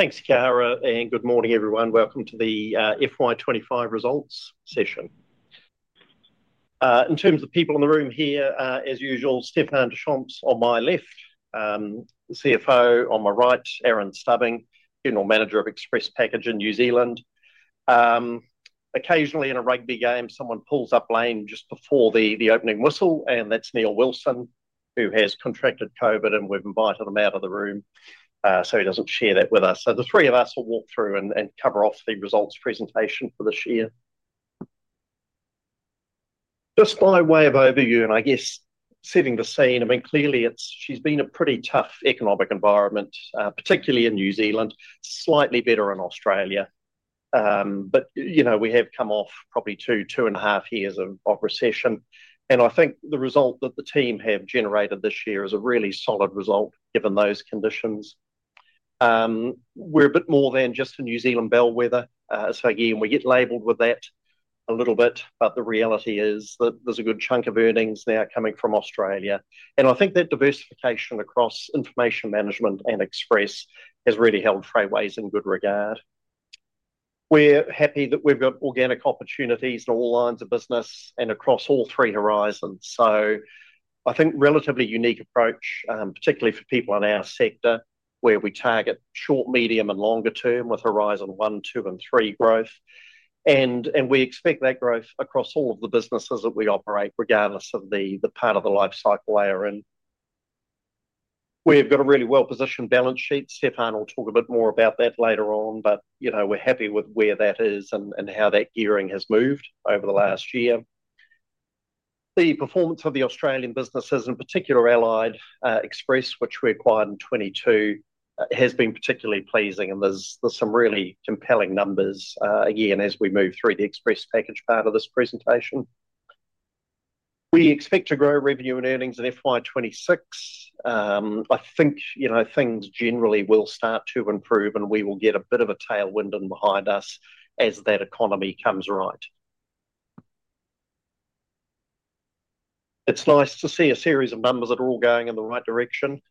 Thanks, Kiara, and good morning, everyone. Welcome to the FY 2025 results session. In terms of the people in the room here, as usual, Stephan Deschamps on my left, the CFO, on my right, Aaron Stubbing, General Manager of Express Packaging New Zealand. Occasionally, in a rugby game, someone pulls up lame just before the opening whistle, and that's Neil Wilson, who has contracted COVID, and we've invited him out of the room so he doesn't share that with us. The three of us will walk through and cover off the results presentation for this year. Just by way of overview, and I guess setting the scene, it's been a pretty tough economic environment, particularly in New Zealand, slightly better in Australia. We have come off probably two, two and a half years of recession, and I think the result that the team have generated this year is a really solid result given those conditions. We're a bit more than just a New Zealand bellwether, so we get labelled with that a little bit, but the reality is that there's a good chunk of earnings now coming from Australia. I think that diversification across information management and Express has really held Freightways in good regard. We're happy that we've got organic opportunities in all lines of business and across all three horizons. I think a relatively unique approach, particularly for people in our sector, where we target short, medium, and longer term with Horizon 1, 2, and 3 growth. We expect that growth across all of the businesses that we operate, regardless of the part of the lifecycle they are in. We've got a really well-positioned balance sheet. Stephan will talk a bit more about that later on, but we're happy with where that is and how that gearing has moved over the last year. The performance of the Australian businesses, in particular Allied Express, which we acquired in 2022, has been particularly pleasing, and there's some really compelling numbers again as we move through the Express Package part of this presentation. We expect to grow revenue and earnings in FY 2026. I think things generally will start to improve, and we will get a bit of a tailwind behind us as that economy comes right. It's nice to see a series of numbers that are all going in the right direction.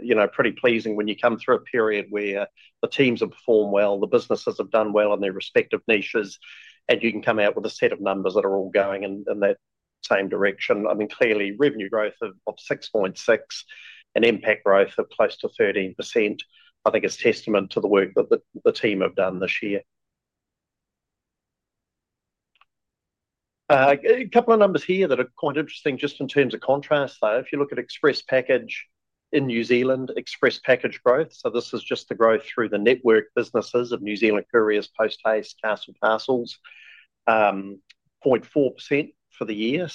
You know, pretty pleasing when you come through a period where the teams have performed well, the businesses have done well in their respective niches, and you can come out with a set of numbers that are all going in that same direction. I mean, clearly, revenue growth of 6.6% and NPAT growth of close to 13%, I think, is a testament to the work that the team have done this year. A couple of numbers here that are quite interesting just in terms of contrast, though. If you look at Express Package in New Zealand, Express Package growth, so this is just the growth through the network businesses of New Zealand Couriers, Post Haste, and Castle Parcels, 0.4% for the year.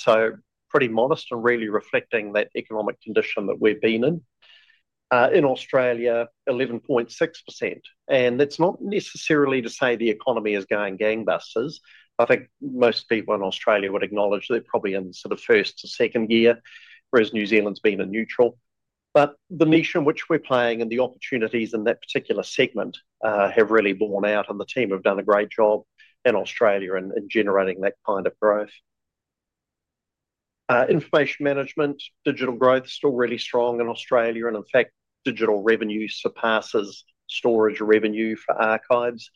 Pretty modest and really reflecting that economic condition that we've been in. In Australia, 11.6%. That's not necessarily to say the economy is going gangbusters. I think most people in Australia would acknowledge that they're probably in sort of first to second gear, whereas New Zealand's been in neutral. The niche in which we're playing and the opportunities in that particular segment have really borne out, and the team have done a great job in Australia in generating that kind of growth. Information Management, digital growth is still really strong in Australia, and in fact, digital revenue surpasses storage revenue for archives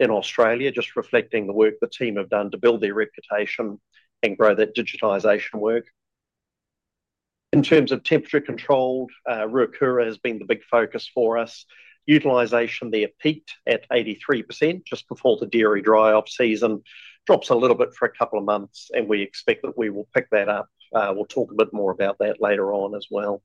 in Australia, just reflecting the work the team have done to build their reputation and grow that digitization work. In terms of temperature control, Ruakura has been the big focus for us. Utilization there peaked at 83% just before the dairy dry-off season, drops a little bit for a couple of months, and we expect that we will pick that up. We'll talk a bit more about that later on as well.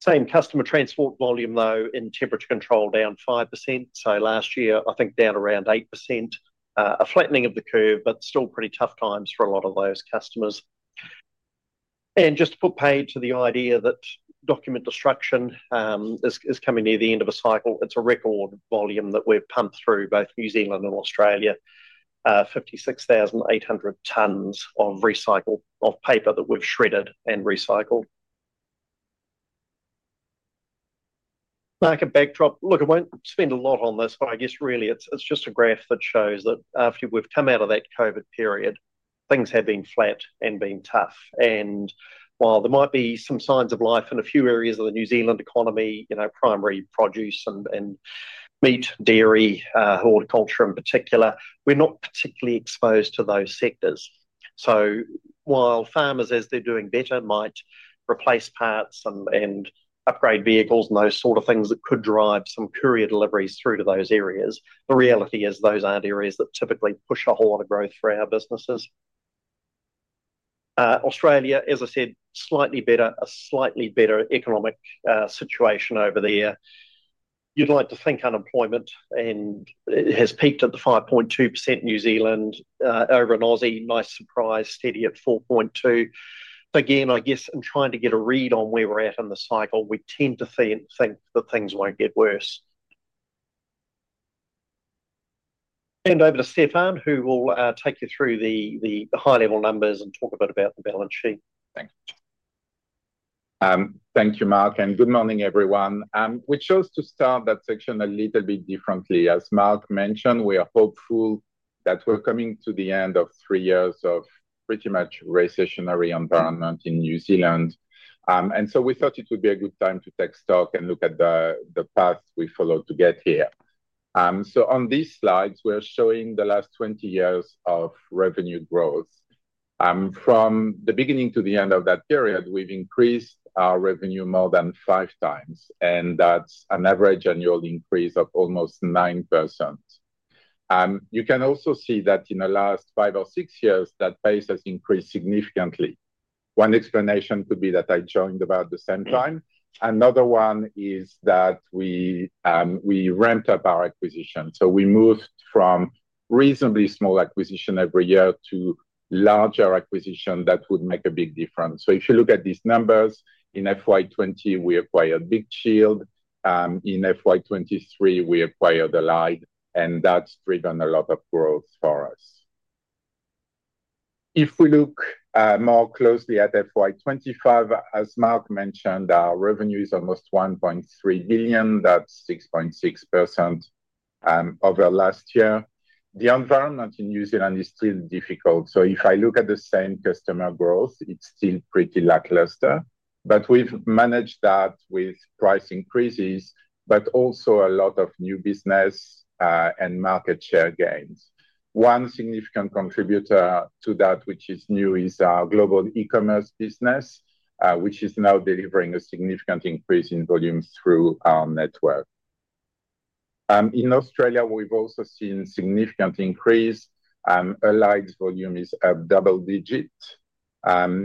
Same customer transport volume, though, in temperature control down 5%. Last year, I think down around 8%. A flattening of the curve, but still pretty tough times for a lot of those customers. Just to put paid to the idea that document destruction is coming near the end of a cycle, it's a record volume that we've pumped through both New Zealand and Australia, 56,800 tons of recycled paper that we've shredded and recycled. Market backdrop, look, I won't spend a lot on this, but I guess really it's just a graph that shows that after we've come out of that COVID period, things have been flat and been tough. While there might be some signs of life in a few areas of the New Zealand economy, you know, primary produce and meat, dairy, horticulture in particular, we're not particularly exposed to those sectors. While farmers, as they're doing better, might replace parts and upgrade vehicles and those sort of things that could drive some courier deliveries through to those areas, the reality is those aren't areas that typically push a whole lot of growth for our businesses. Australia, as I said, slightly better, a slightly better economic situation over there. You'd like to think unemployment has peaked at the 5.2% in New Zealand. A nice surprise, steady at 4.2%. Again, I guess in trying to get a read on where we're at in the cycle, we tend to think that things won't get worse. Over to Stephan, who will take you through the high-level numbers and talk a bit about the balance sheet. Thank you, Mark, and good morning, everyone. We chose to start that section a little bit differently. As Mark mentioned, we are hopeful that we're coming to the end of three years of pretty much a recessionary environment in New Zealand. We thought it would be a good time to take stock and look at the path we followed to get here. On these slides, we're showing the last 20 years of revenue growth. From the beginning to the end of that period, we've increased our revenue more than 5x, and that's an average annual increase of almost 9%. You can also see that in the last five or six years, that pace has increased significantly. One explanation could be that I joined about the same time. Another one is that we ramped up our acquisition. We moved from reasonably small acquisitions every year to larger acquisitions that would make a big difference. If you look at these numbers, in FY 2020, we acquired Big Chill; in FY 2023, we acquired Allied, and that's driven a lot of growth for us. If we look more closely at FY 2025, as Mark mentioned, our revenue is almost 1.3 billion; that's 6.6% over last year. The environment in New Zealand is still difficult. If I look at the same customer growth, it's still pretty lackluster, but we've managed that with price increases, but also a lot of new business and market share gains. One significant contributor to that, which is new, is our global e-commerce business, which is now delivering a significant increase in volume through our network. In Australia, we've also seen a significant increase. Allied's volume is up double digits,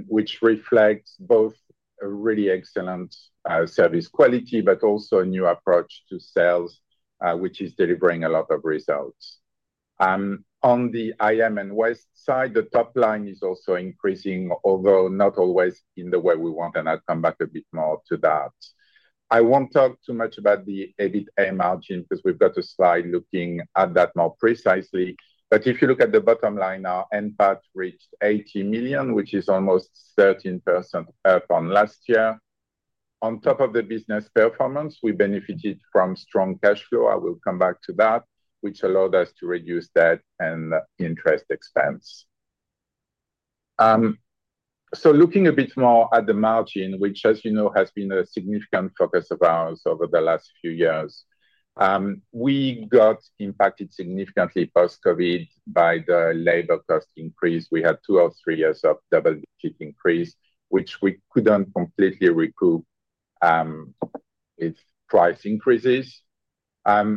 which reflects both a really excellent service quality, but also a new approach to sales, which is delivering a lot of results. On the IM and Waste side, the top line is also increasing, although not always in the way we want, and I'll come back a bit more to that. I won't talk too much about the EBITDA margin because we've got a slide looking at that more precisely. If you look at the bottom line, our NPAT reached 80 million, which is almost 13% up from last year. On top of the business performance, we benefited from strong cash flow. I will come back to that, which allowed us to reduce debt and interest expense. Looking a bit more at the margin, which, as you know, has been a significant focus of ours over the last few years, we got impacted significantly post-COVID by the labor cost increase. We had two or three years of double-digit increase, which we couldn't completely recoup as price increases.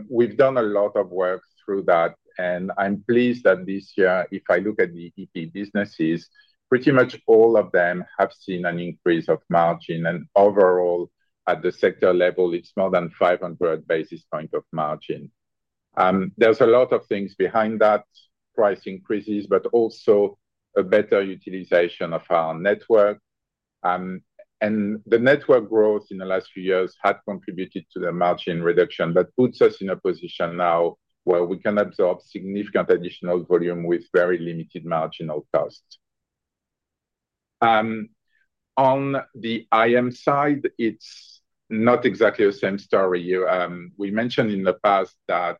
We've done a lot of work through that, and I'm pleased that this year, if I look at the EP businesses, pretty much all of them have seen an increase of margin. Overall, at the sector level, it's more than 500 basis points of margin. There are a lot of things behind that, price increases, but also a better utilization of our network. The network growth in the last few years had contributed to the margin reduction, but it puts us in a position now where we can absorb significant additional volume with very limited marginal costs. On the IM side, it's not exactly the same story. We mentioned in the past that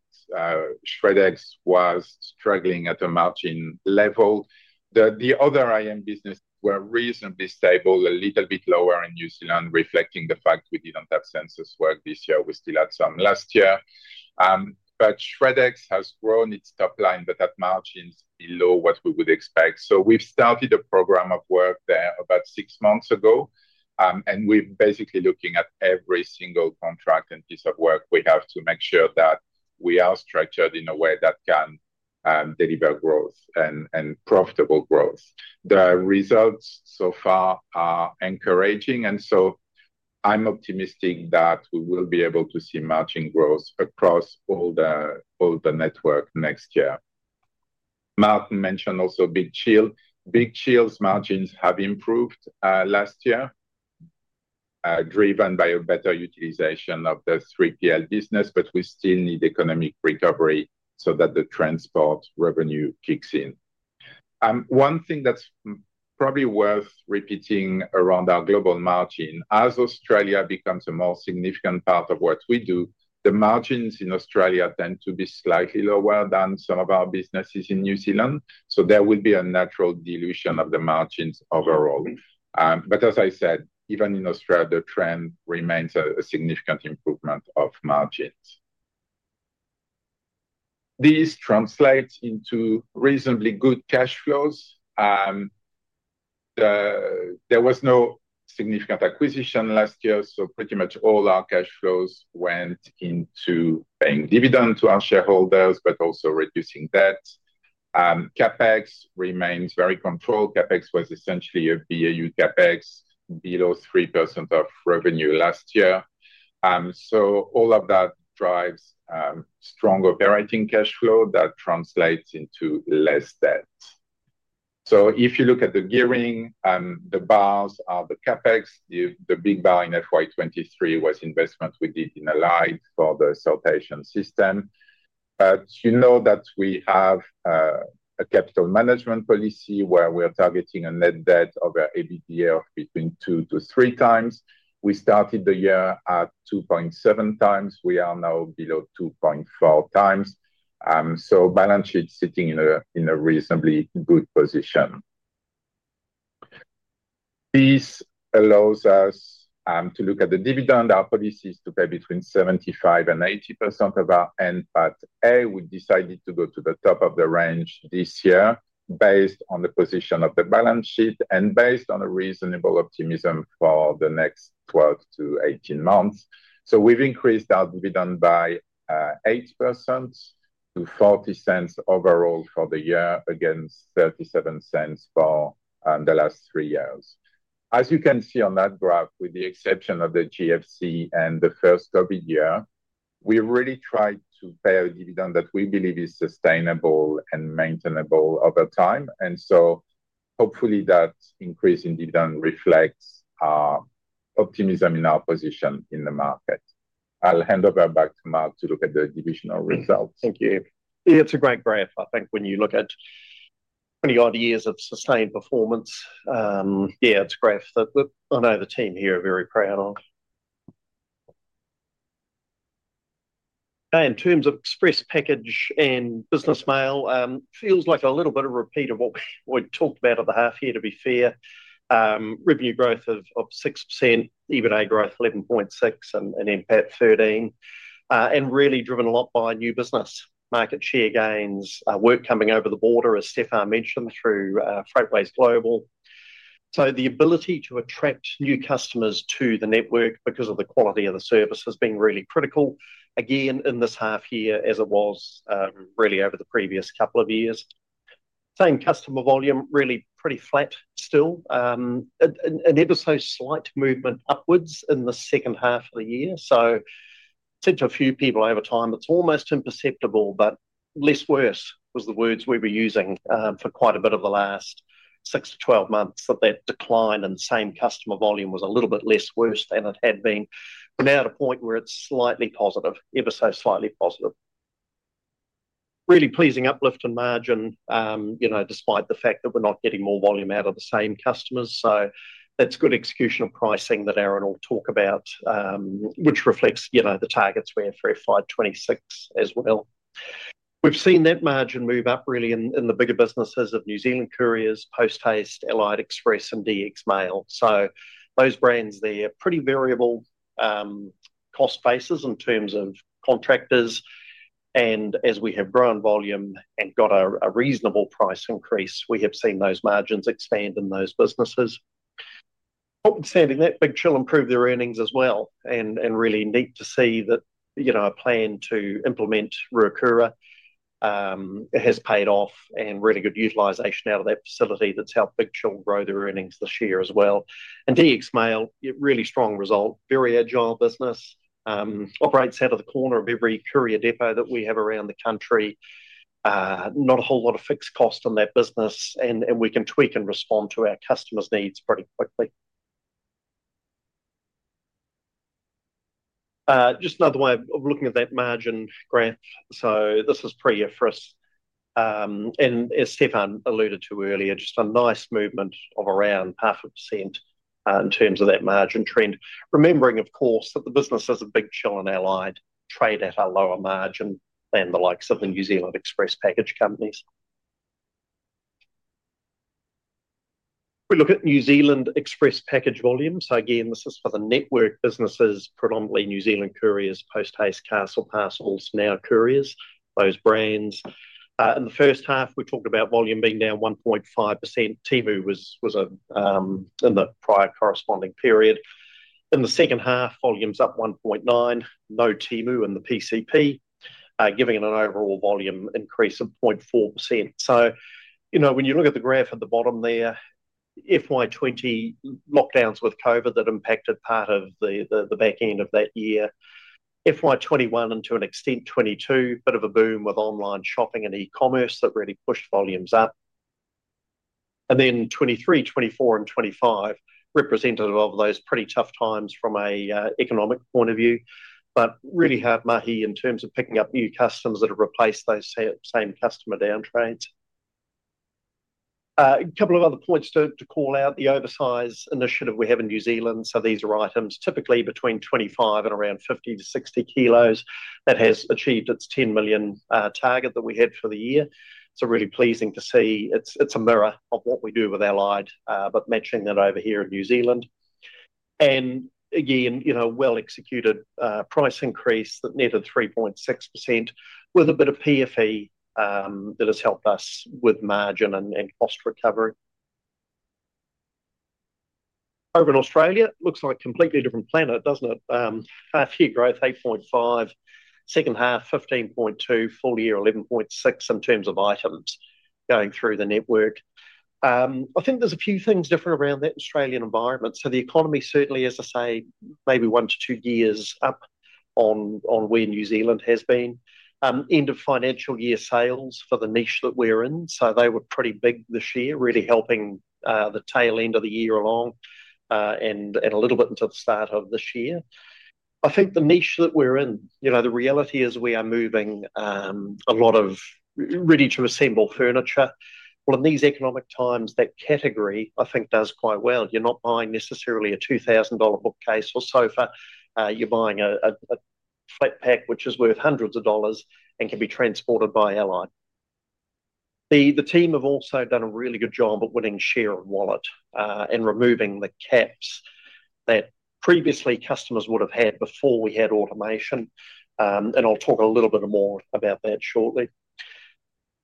Shred-X was struggling at a margin level. The other Information Management businesses were reasonably stable, a little bit lower in New Zealand, reflecting the fact we didn't have census work this year. We still had some last year. Shred-X has grown its top line, but that margin is below what we would expect. We've started a program of work there about six months ago, and we're basically looking at every single contract and piece of work we have to make sure that we are structured in a way that can deliver growth and profitable growth. The results so far are encouraging, and I'm optimistic that we will be able to see margin growth across all the network next year. Mark mentioned also Big Chill. Big Chill's margins have improved last year, driven by a better utilization of the 3PL business, but we still need economic recovery so that the transport revenue kicks in. One thing that's probably worth repeating around our global margin, as Australia becomes a more significant part of what we do, the margins in Australia tend to be slightly lower than some of our businesses in New Zealand. There will be a natural dilution of the margins overall. As I said, even in Australia, the trend remains a significant improvement of margins. These translate into reasonably good cash flows. There was no significant acquisition last year, so pretty much all our cash flows went into paying dividends to our shareholders, but also reducing debt. CapEx remains very controlled. CapEx was essentially a BAU CapEx, below 3% of revenue last year. All of that drives strong operating cash flow that translates into less debt. If you look at the gearing, the bars are the CapEx. The big bar in FY 2023 was investments we did in Allied for the [South Asian] system. You know that we have a capital management policy where we're targeting a net debt over EBITDA of between 2x-3x. We started the year at 2.7x. We are now below 2.4x. The balance sheet's sitting in a reasonably good position. This allows us to look at the dividend. Our policy is to pay between 75%-80% of our NPAT. We decided to go to the top of the range this year based on the position of the balance sheet and based on a reasonable optimism for the next 12-18 months. We've increased our dividend by 8% to 0.40 overall for the year against 0.37 for the last three years. As you can see on that graph, with the exception of the GFC and the first COVID year, we really tried to pay a dividend that we believe is sustainable and maintainable over time. Hopefully, that increase in dividend reflects our optimism in our position in the market. I'll hand over back to Mark to look at the divisional results. Thank you. Yeah, it's a great graph, I think, when you look at 20-odd years of sustained performance. Yeah, it's a graph that I know the team here are very proud of. In terms of Express Package and Business Mail, it feels like a little bit of a repeat of what we talked about over half a half year, to be fair. Revenue growth of 6%, EBITDA growth 11.6%, and NPAT 13%. Really driven a lot by new business, market share gains, work coming over the border, as Stephan mentioned, through Freightways Global. The ability to attract new customers to the network because of the quality of the service has been really critical, again, in this half year as it was really over the previous couple of years. Same customer volume, really pretty flat still. It was a slight movement upwards in the second half of the year. I said to a few people over time, it's almost imperceptible, but less worse was the words we were using for quite a bit of the last 6-12 months that that decline in same customer volume was a little bit less worse than it had been. We're now at a point where it's slightly positive, ever so slightly positive. Really pleasing uplift in margin, you know, despite the fact that we're not getting more volume out of the same customers. That's good execution of pricing that Aaron will talk about, which reflects, you know, the targets we have for FY 2026 as well. We've seen that margin move up really in the bigger businesses of New Zealand Couriers, Post Haste, Allied Express, and DX Mail. Those brands, they're pretty variable cost bases in terms of contractors. As we have grown volume and got a reasonable price increase, we have seen those margins expand in those businesses. Understanding that Big Chill improved their earnings as well, and really neat to see that a plan to implement Ruakura has paid off and really good utilization out of that facility that's helped Big Chill grow their earnings this year as well. DX Mail, really strong result, very agile business, operates out of the corner of every courier depot that we have around the country. Not a whole lot of fixed cost in that business, and we can tweak and respond to our customers' needs pretty quickly. Just another way of looking at that margin graph. This is pre-IFRS. As Stephan alluded to earlier, just a nice movement of around 0.5% in terms of that margin trend, remembering, of course, that the businesses at Big Chill and Allied trade at a lower margin than the likes of the New Zealand Express Package companies. If we look at New Zealand Express Package volume, this is for the network businesses, predominantly New Zealand Couriers, Post Haste, Castle Parcels, Now Couriers, those brands. In the first half, we talked about volume being down 1.5%. Temu was in the prior corresponding period. In the second half, volume's up 1.9%. No Temu in the PCP, giving it an overall volume increase of 0.4%. When you look at the graph at the bottom there, 2020 lockdowns with COVID impacted part of the back end of that year, 2021 and to an extent 2022, a bit of a boom with online shopping and e-commerce that really pushed volumes up. Then 2023, 2024, and 2025 represented all of those pretty tough times from an economic point of view, but really had mahi in terms of picking up new customers that have replaced those same customer downtrends. A couple of other points to call out, the oversize initiative we have in New Zealand. These are items typically between 2025 and around 50 kg-60 kg that has achieved its 10 million target that we had for the year. Really pleasing to see. It's a mirror of what we do with Allied Express, but matching that over here in New Zealand. Again, well-executed price increase that netted 3.6% with a bit of PFE that has helped us with margin and cost recovery. Over in Australia, it looks like a completely different planet, doesn't it? Half-year growth 8.5%, second half 15.2%, full year 11.6% in terms of items going through the network. I think there's a few things different around that Australian environment. The economy certainly, as I say, maybe one to two years up on where New Zealand has been. End of financial year sales for the niche that we're in, they were pretty big this year, really helping the tail end of the year along and a little bit into the start of this year. I think the niche that we're in, the reality is we are moving a lot of ready-to-assemble furniture. In these economic times, that category, I think, does quite well. You're not buying necessarily a 2,000 dollar bookcase or sofa. You're buying a flat pack, which is worth hundreds of dollars and can be transported by Allied. The team have also done a really good job at winning share and wallet and removing the caps that previously customers would have had before we had automation. I'll talk a little bit more about that shortly.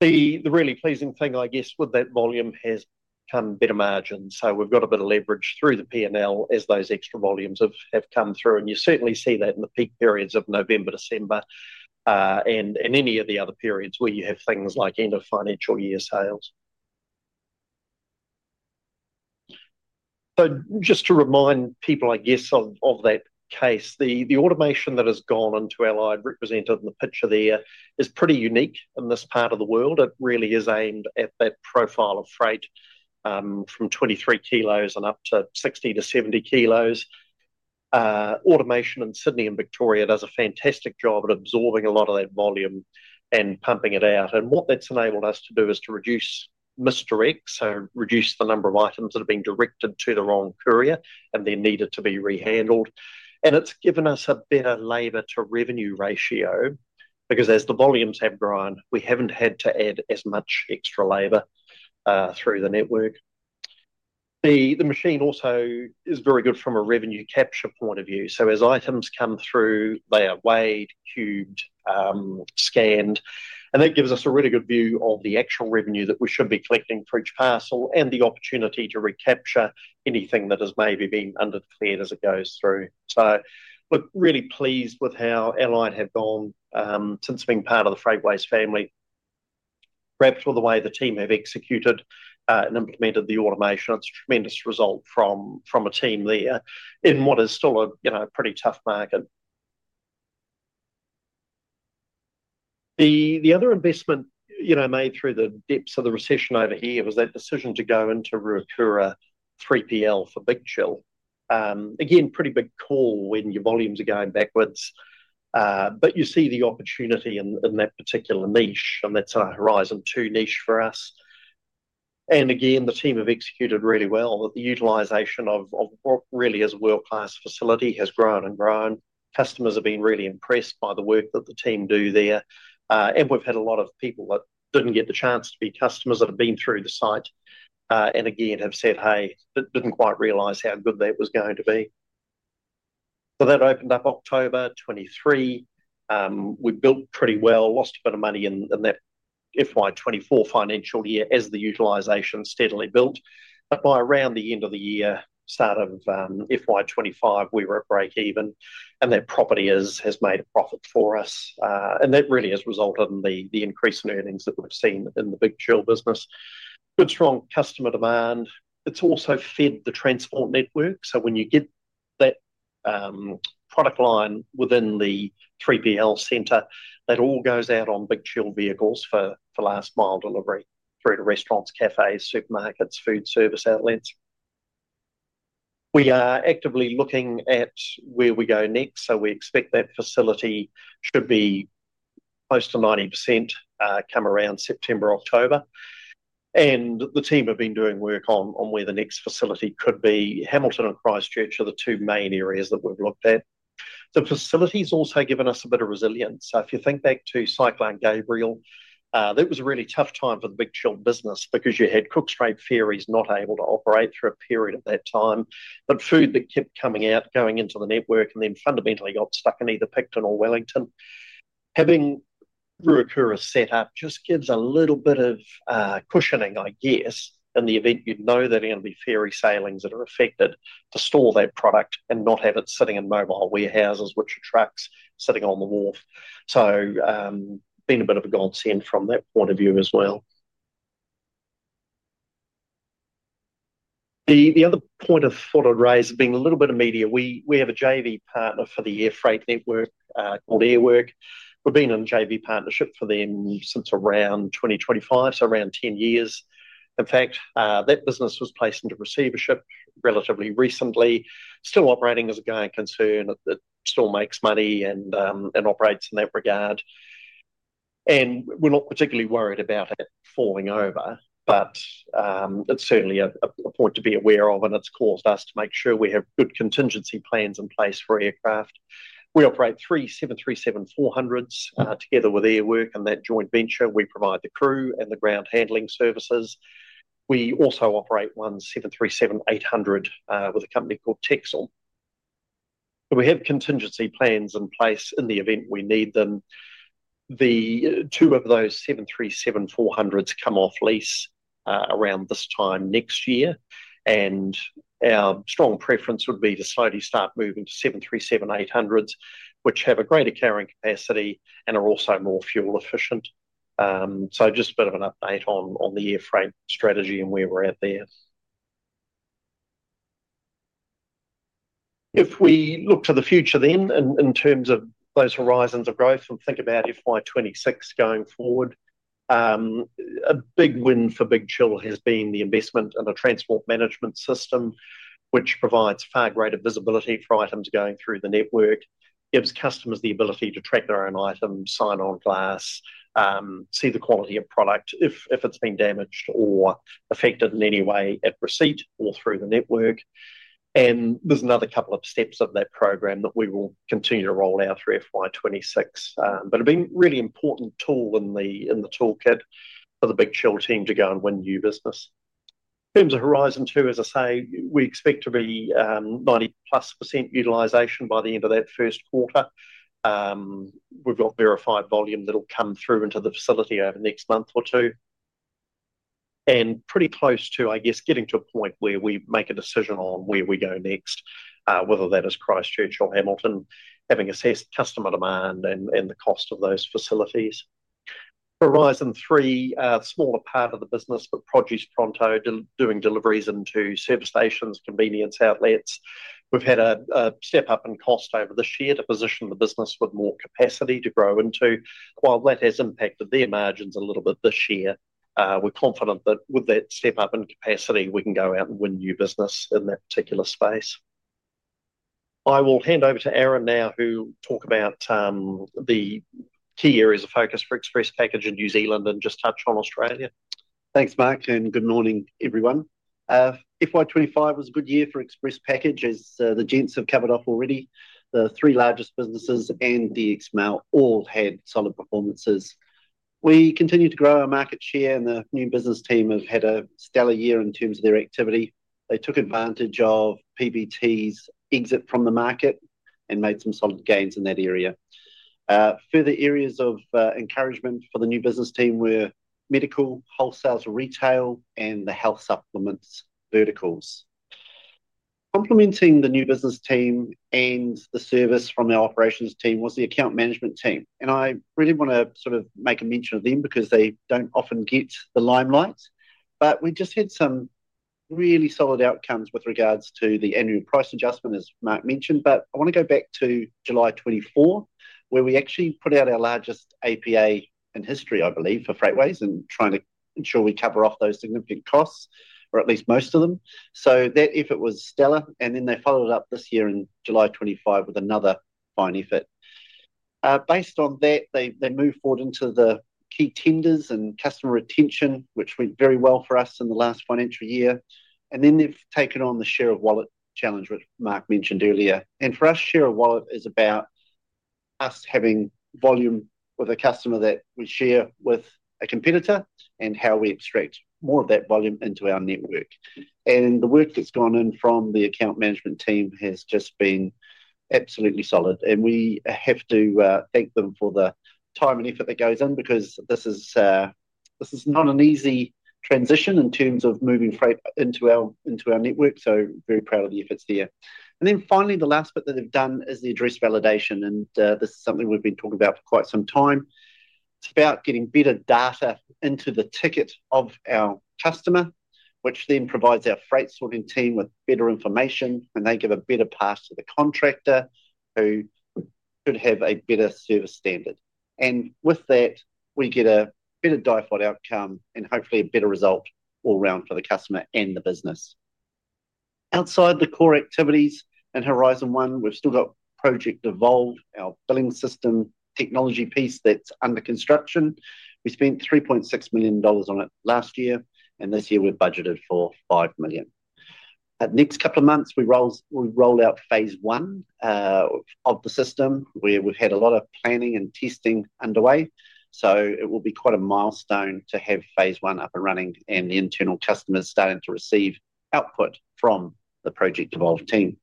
The really pleasing thing, I guess, with that volume has come better margins. We've got a bit of leverage through the P&L as those extra volumes have come through. You certainly see that in the peak periods of November, December, and any of the other periods where you have things like end of financial year sales. Just to remind people, I guess, of that case, the automation that has gone into Allied represented in the picture there is pretty unique in this part of the world. It really is aimed at that profile of freight from 23 kg and up to 60 kg-70 kg. Automation in Sydney and Victoria does a fantastic job at absorbing a lot of that volume and pumping it out. What that's enabled us to do is to reduce misdirects, so reduce the number of items that have been directed to the wrong courier and then needed to be re-handled. It's given us a better labor-to-revenue ratio because as the volumes have grown, we haven't had to add as much extra labor through the network. The machine also is very good from a revenue capture point of view. As items come through, they are weighed, queued, scanned, and that gives us a really good view of the actual revenue that we should be collecting for each parcel and the opportunity to recapture anything that has maybe been underdeclared as it goes through. We're really pleased with how Allied had gone since being part of the Freightways family. Grateful the way the team have executed and implemented the automation. It's a tremendous result from a team there in what is still a pretty tough market. The other investment made through the depths of the recession over here was that decision to go into Ruakura 3PL for Big Chill. Again, pretty big call when your volumes are going backwards, but you see the opportunity in that particular niche, and that's a Horizon 2 niche for us. Again, the team have executed really well. The utilization of what really is a world-class facility has grown and grown. Customers have been really impressed by the work that the team do there, and we've had a lot of people that didn't get the chance to be customers that have been through the site and again have said, "Hey, I didn't quite realize how good that was going to be." That opened up October 2023. We built pretty well, lost a bit of money in that FY 2024 financial year as the utilization steadily built. By around the end of the year, start of FY 2025, we were at break even, and that property has made a profit for us. That really has resulted in the increase in earnings that we've seen in the Big Chill business. Good, strong customer demand. It's also fed the transport network. When you get that product line within the 3PL center, that all goes out on Big Chill vehicles for last mile delivery through to restaurants, cafes, supermarkets, food service outlets. We are actively looking at where we go next. We expect that facility to be close to 90% come around September, October. The team have been doing work on where the next facility could be. Hamilton and Christchurch are the two main areas that we've looked at. The facility's also given us a bit of resilience. If you think back to Cyclone Gabrielle, that was a really tough time for the Big Chill business because you had Cook Strait ferries not able to operate for a period at that time. Food kept coming out, going into the network, and then fundamentally got stuck in either Picton or Wellington. Having Ruakura set up just gives a little bit of cushioning, I guess, in the event you know that it'll be ferry sailings that are affected to store that product and not have it sitting in mobile warehouses, which are trucks sitting on the wharf. Being a bit of a godsend from that point of view as well. The other point I thought I'd raise, being a little bit of media. We have a JV partner for the air freight network called Airwork. We've been in a JV partnership with them since around 2015, so around 10 years. In fact, that business was placed into receivership relatively recently, still operating as a going concern. It still makes money and operates in that regard. We're not particularly worried about it falling over, but it's certainly a point to be aware of, and it's caused us to make sure we have good contingency plans in place for aircraft. We operate three 737-400s together with Airwork in that joint venture. We provide the crew and the ground handling services. We also operate one 737-800 with a company called Texel. We have contingency plans in place in the event we need them. The two of those 737-400s come off lease around this time next year, and our strong preference would be to slowly start moving to 737-800s, which have a greater carrying capacity and are also more fuel efficient. Just a bit of an update on the airframe strategy and where we're at there. If we look to the future in terms of those horizons of growth and think about FY 2026 going forward, a big win for Big Chill has been the investment in a transport management system, which provides far greater visibility for items going through the network, gives customers the ability to track their own items, sign on glass, see the quality of product if it's been damaged or affected in any way at receipt or through the network. There's another couple of steps of that program that we will continue to roll out through FY 2026, but it'll be a really important tool in the toolkit for the Big Chill team to go and win new business. In terms of Horizon 2, as I say, we expect to be 90%+ utilization by the end of that first quarter. We've got verified volume that'll come through into the facility over the next month or two. Pretty close to, I guess, getting to a point where we make a decision on where we go next, whether that is Christchurch or Hamilton, having assessed customer demand and the cost of those facilities. Horizon 3, a smaller part of the business, but ProducePronto doing deliveries into service stations, convenience outlets. We've had a step up in cost over this year to position the business with more capacity to grow into. While that has impacted their margins a little bit this year, we're confident that with that step up in capacity, we can go out and win new business in that particular space. I will hand over to Aaron now, who will talk about the key areas of focus for Express Package in New Zealand and just touch on Australia. Thanks, Mark, and good morning, everyone. FY 2025 was a good year for Express Package, as the gents have covered off already. The three largest businesses and DX Mail all had solid performances. We continue to grow our market share, and the new business team have had a stellar year in terms of their activity. They took advantage of PBT's exit from the market and made some solid gains in that area. Further areas of encouragement for the new business team were medical, wholesale to retail, and the health supplements verticals. Complementing the new business team and the service from our operations team was the account management team. I really want to sort of make a mention of them because they don't often get the limelight. We just had some really solid outcomes with regards to the annual price adjustment, as Mark mentioned. I want to go back to July 2024, where we actually put out our largest APA in history, I believe, for Freightways and trying to ensure we cover off those significant costs, or at least most of them. That effort was stellar, and they followed it up this year in July 2025 with another fine effort. Based on that, they moved forward into the key tenders and customer retention, which went very well for us in the last financial year. They've taken on the share of wallet challenge, which Mark mentioned earlier. For us, share of wallet is about us having volume with a customer that we share with a competitor and how we extract more of that volume into our network. The work that's gone in from the account management team has just been absolutely solid. We have to thank them for the time and effort that goes in because this is not an easy transition in terms of moving freight into our network. Very proud of the efforts there. Finally, the last bit that they've done is the address validation. This is something we've been talking about for quite some time. It's about getting better data into the ticket of our customer, which then provides our freight sorting team with better information, and they give a better path to the contractor who could have a better service standard. With that, we get a better DIFOD outcome and hopefully a better result all around for the customer and the business. Outside the core activities in Horizon 1, we've still got Project Evolve, our billing system technology piece that's under construction. We spent 3.6 million dollars on it last year, and this year we're budgeted for 5 million. In the next couple of months, we roll out phase I of the system where we've had a lot of planning and testing underway. It will be quite a milestone to have phase I up and running and the internal customers starting to receive output from the Project Evolve team.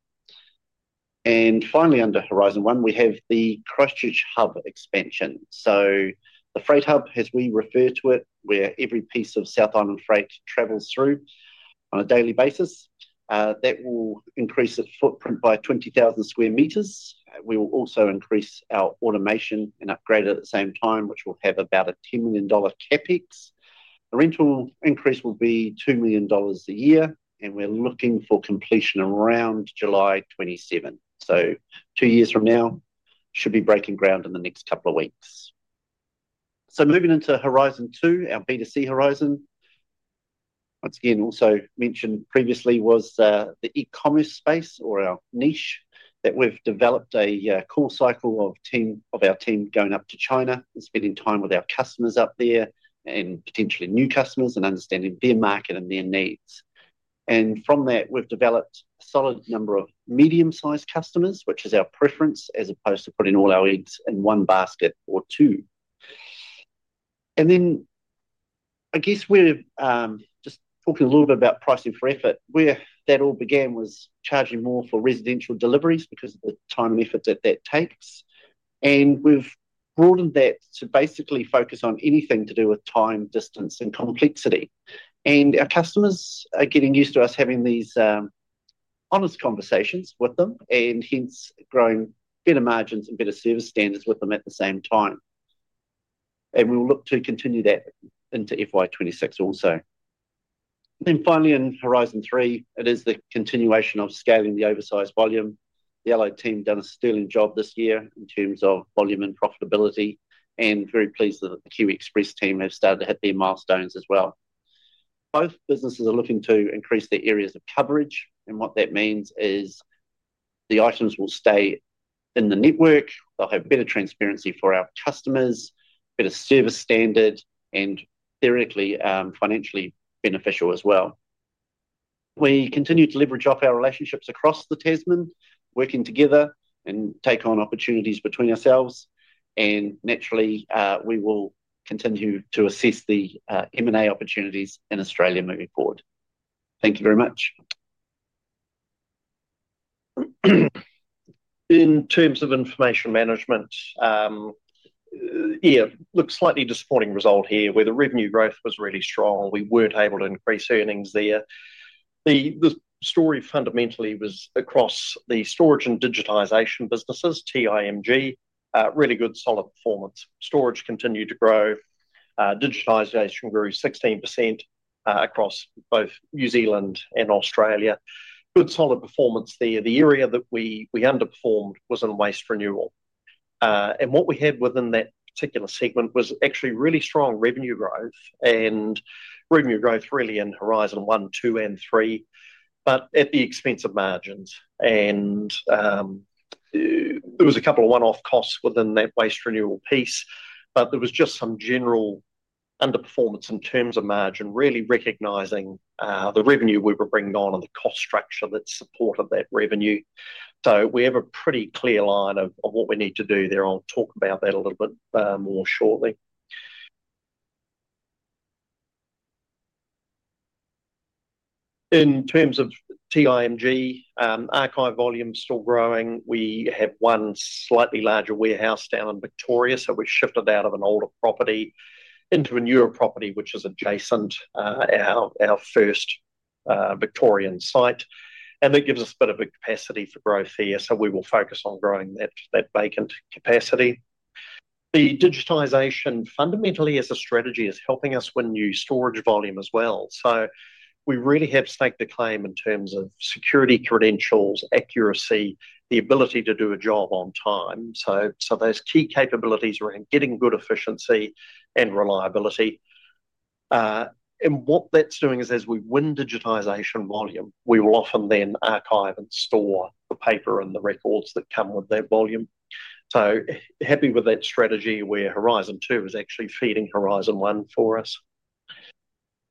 Finally, under Horizon 1, we have the Christchurch Hub expansion. The freight hub, as we refer to it, where every piece of South Island freight travels through on a daily basis, will increase its footprint by 20,000 sq m. We will also increase our automation and upgrade at the same time, which will have about a 10 million dollar CapEx. The rental increase will be 2 million dollars a year, and we're looking for completion around July 2027. Two years from now, we should be breaking ground in the next couple of weeks. Moving into Horizon 2, our B2C horizon, once again, also mentioned previously, was the e-commerce space or our niche that we've developed. A core cycle of our team going up to China and spending time with our customers up there and potentially new customers and understanding their market and their needs. From that, we've developed a solid number of medium-sized customers, which is our preference, as opposed to putting all our eggs in one basket or two. I guess we're just talking a little bit about pricing for effort. Where that all began was charging more for residential deliveries because of the time and effort that that takes. We've broadened that to basically focus on anything to do with time, distance, and complexity. Our customers are getting used to us having these honest conversations with them, and hence growing better margins and better service standards with them at the same time. We'll look to continue that into FY 2026 also. Finally, in Horizon 3, it is the continuation of scaling the oversized volume. The Allied team has done a sterling job this year in terms of volume and profitability, and very pleased that the Kiwi Express team have started to hit their milestones as well. Both businesses are looking to increase their areas of coverage, and what that means is the items will stay in the network. They'll have better transparency for our customers, better service standard, and theoretically, financially beneficial as well. We continue to leverage off our relationships across the Tasman, working together and take on opportunities between ourselves. Naturally, we will continue to assess the M&A opportunities in Australia moving forward. Thank you very much. In terms of information management, yeah, looks slightly disappointing result here where the revenue growth was really strong. We weren't able to increase earnings there. The story fundamentally was across the storage and digitization businesses, TIMG, really good solid performance. Storage continued to grow. Digitization grew 16% across both New Zealand and Australia. Good solid performance there. The area that we underperformed was in waste renewal. What we had within that particular segment was actually really strong revenue growth and revenue growth really in Horizon one, two, and three, but at the expense of margins. There was a couple of one-off costs within that waste renewal piece, but there was just some general underperformance in terms of margin, really recognizing the revenue we were bringing on and the cost structure that supported that revenue. We have a pretty clear line of what we need to do there. I'll talk about that a little bit more shortly. In terms of TIMG, archive volume is still growing. We have one slightly larger warehouse down in Victoria, so we've shifted out of an older property into a newer property, which is adjacent to our first Victorian site. That gives us a bit of a capacity for growth there, so we will focus on growing that vacant capacity. The digitization fundamentally as a strategy is helping us win new storage volume as well. We really have staked the claim in terms of security credentials, accuracy, the ability to do a job on time. Those key capabilities around getting good efficiency and reliability. What that's doing is as we win digitization volume, we will often then archive and store the paper and the records that come with that volume. Happy with that strategy where Horizon 2 is actually feeding Horizon 1 for us.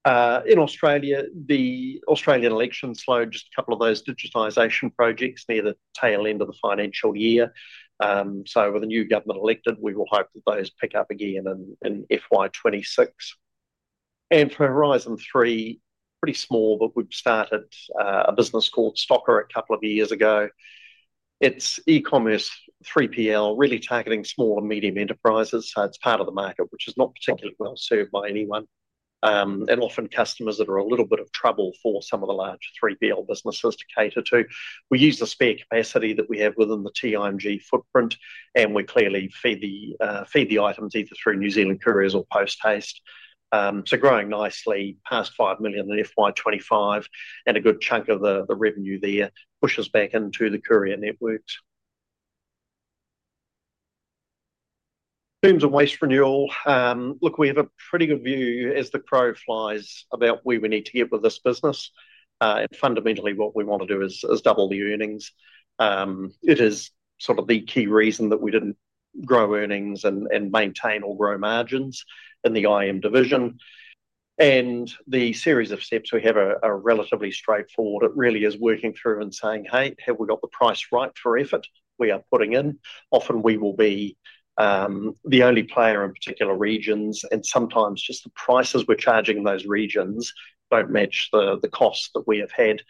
In Australia, the Australian elections slowed just a couple of those digitization projects near the tail end of the financial year. With a new government elected, we will hope that those pick up again in FY 2026. For Horizon 3, pretty small, but we've started a business called Stocker a couple of years ago. It's e-commerce 3PL, really targeting small and medium enterprises. It's part of the market, which is not particularly well served by anyone. Often, customers that are a little bit of trouble for some of the large 3PL businesses to cater to. We use the spare capacity that we have within the TIMG footprint, and we clearly feed the items either through New Zealand Couriers or Post Haste. Growing nicely past 5 million in FY 2025, and a good chunk of the revenue there pushes back into the courier networks. In terms of waste renewal, we have a pretty good view as the crow flies about where we need to get with this business. Fundamentally, what we want to do is double the earnings. It is sort of the key reason that we didn't grow earnings and maintain or grow margins in the IM division. The series of steps we have are relatively straightforward. It really is working through and saying, "Hey, have we got the price right for the effort we are putting in?" Often, we will be the only player in particular regions, and sometimes just the prices we're charging in those regions don't match the costs that we have had.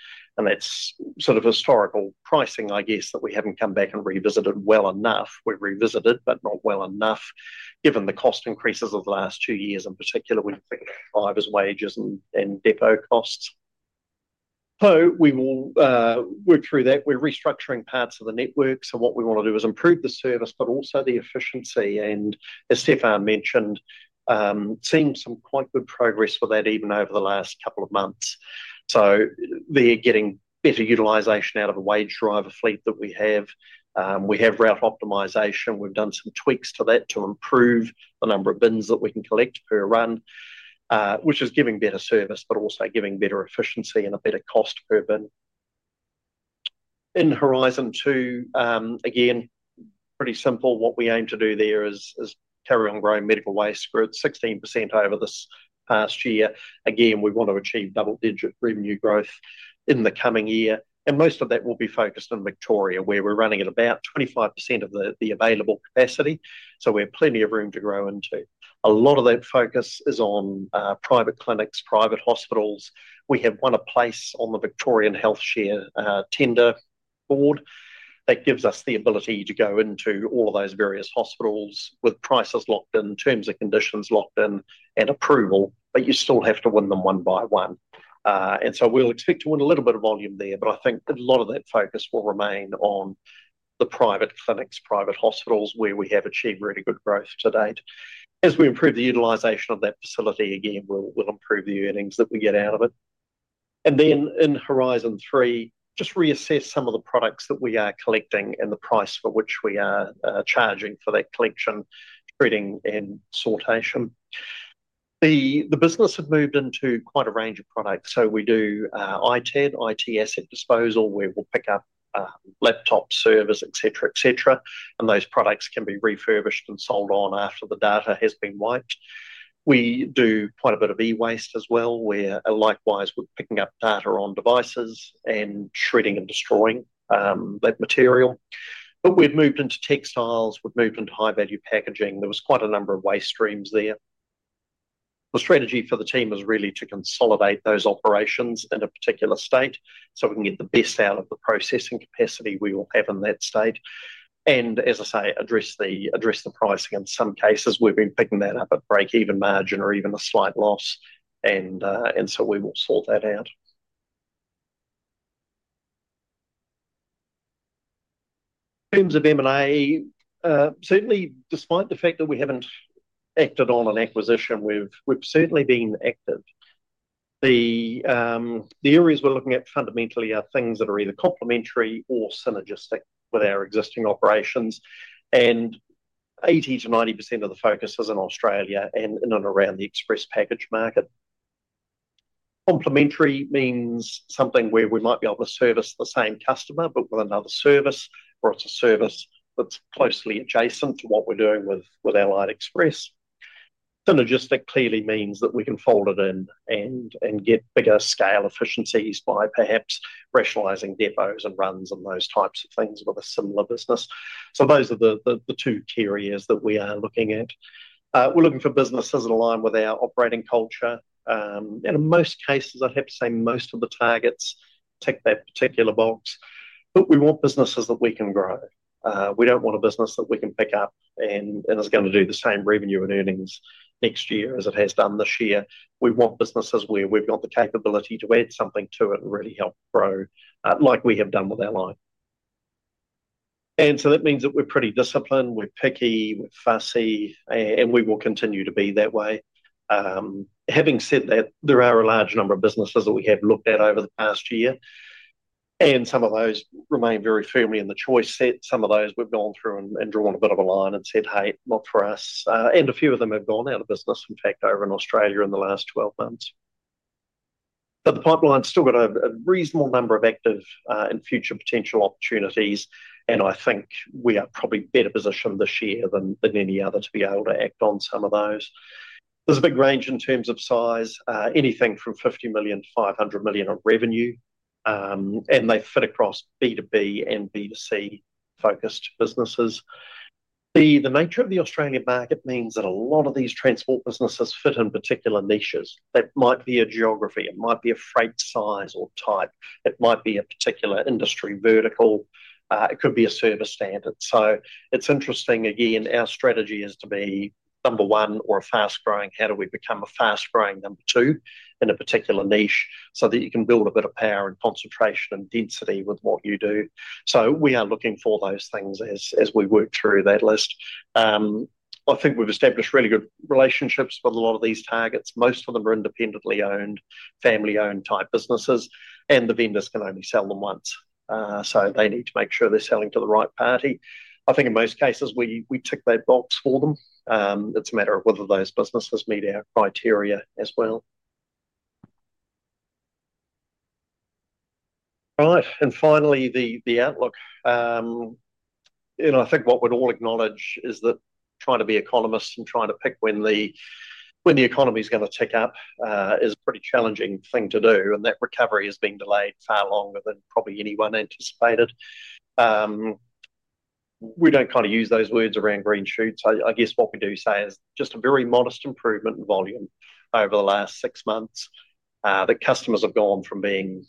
That's sort of historical pricing, I guess, that we haven't come back and revisited well enough. We've revisited, but not well enough, given the cost increases of the last two years in particular with drivers' wages and depot costs. We will work through that. We're restructuring parts of the network. What we want to do is improve the service, but also the efficiency. As Stephan mentioned, seeing some quite good progress with that even over the last couple of months. They're getting better utilization out of the wage driver fleet that we have. We have route optimization. We've done some tweaks to that to improve the number of bins that we can collect per run, which is giving better service, but also giving better efficiency and a better cost per bin. In Horizon two, again, pretty simple. What we aim to do there is carry on growing medical waste growth 16% over this past year. Again, we want to achieve double-digit revenue growth in the coming year. Most of that will be focused on Victoria, where we're running at about 25% of the available capacity. We have plenty of room to grow into. A lot of that focus is on private clinics, private hospitals. We have won a place on the Victorian HealthShare tender board. That gives us the ability to go into all of those various hospitals with prices locked in, terms and conditions locked in, and approval, but you still have to win them one by one. We'll expect to win a little bit of volume there, but I think that a lot of that focus will remain on the private clinics, private hospitals where we have achieved really good growth to date. As we improve the utilization of that facility, we'll improve the earnings that we get out of it. In Horizon 3, just reassess some of the products that we are collecting and the price for which we are charging for that collection, treating, and sortation. The business had moved into quite a range of products. We do ITAD, IT Asset Disposal, where we'll pick up laptops, servers, et cetera, et cetera. Those products can be refurbished and sold on after the data has been wiped. We do quite a bit of e-waste as well, where likewise we're picking up data on devices and shredding and destroying that material. We've moved into textiles. We've moved into high-value packaging. There was quite a number of waste streams there. The strategy for the team is really to consolidate those operations in a particular state so we can get the best out of the processing capacity we will have in that state. As I say, address the pricing. In some cases, we've been picking that up at break-even margin or even a slight loss. We will sort that out. In terms of M&A, certainly despite the fact that we haven't acted on an acquisition, we've certainly been active. The areas we're looking at fundamentally are things that are either complementary or synergistic with our existing operations. 80%-90% of the focus is in Australia and in and around the Express Package market. Complementary means something where we might be able to service the same customer, but with another service, or it's a service that's closely adjacent to what we're doing with Allied Express. Synergistic clearly means that we can fold it in and get bigger scale efficiencies by perhaps rationalizing depots and runs and those types of things with a similar business. Those are the two carriers that we are looking at. We're looking for businesses that align with our operating culture. In most cases, I'd have to say most of the targets tick that particular box. We want businesses that we can grow. We don't want a business that we can pick up and is going to do the same revenue and earnings next year as it has done this year. We want businesses where we've got the capability to add something to it and really help grow like we have done with Allied. That means that we're pretty disciplined, we're picky, we're fussy, and we will continue to be that way. Having said that, there are a large number of businesses that we have looked at over the past year. Some of those remain very firmly in the choice set. Some of those we've gone through and drawn a bit of a line and said, "Hey, not for us." A few of them have gone out of business, in fact, over in Australia in the last 12 months. The pipeline's still got a reasonable number of active and future potential opportunities. I think we are probably better positioned this year than any other to be able to act on some of those. There's a big range in terms of size, anything from 50 million-500 million in revenue. They fit across B2B and B2C focused businesses. The nature of the Australian market means that a lot of these transport businesses fit in particular niches. They might be a geography. It might be a freight size or type. It might be a particular industry vertical. It could be a service standard. It's interesting, again, our strategy is to be number one or a fast-growing. How do we become a fast-growing number two in a particular niche so that you can build a bit of power and concentration and density with what you do? We are looking for those things as we work through that list. I think we've established really good relationships with a lot of these targets. Most of them are independently owned, family-owned type businesses, and the vendors can only sell them once. They need to make sure they're selling to the right party. I think in most cases, we tick that box for them. It's a matter of whether those businesses meet our criteria as well. All right. Finally, the outlook. I think what we'd all acknowledge is that trying to be economists and trying to pick when the economy's going to tick up is a pretty challenging thing to do. That recovery has been delayed far longer than probably anyone anticipated. We don't kind of use those words around green shoots. I guess what we do say is just a very modest improvement in volume over the last six months. The customers have gone from being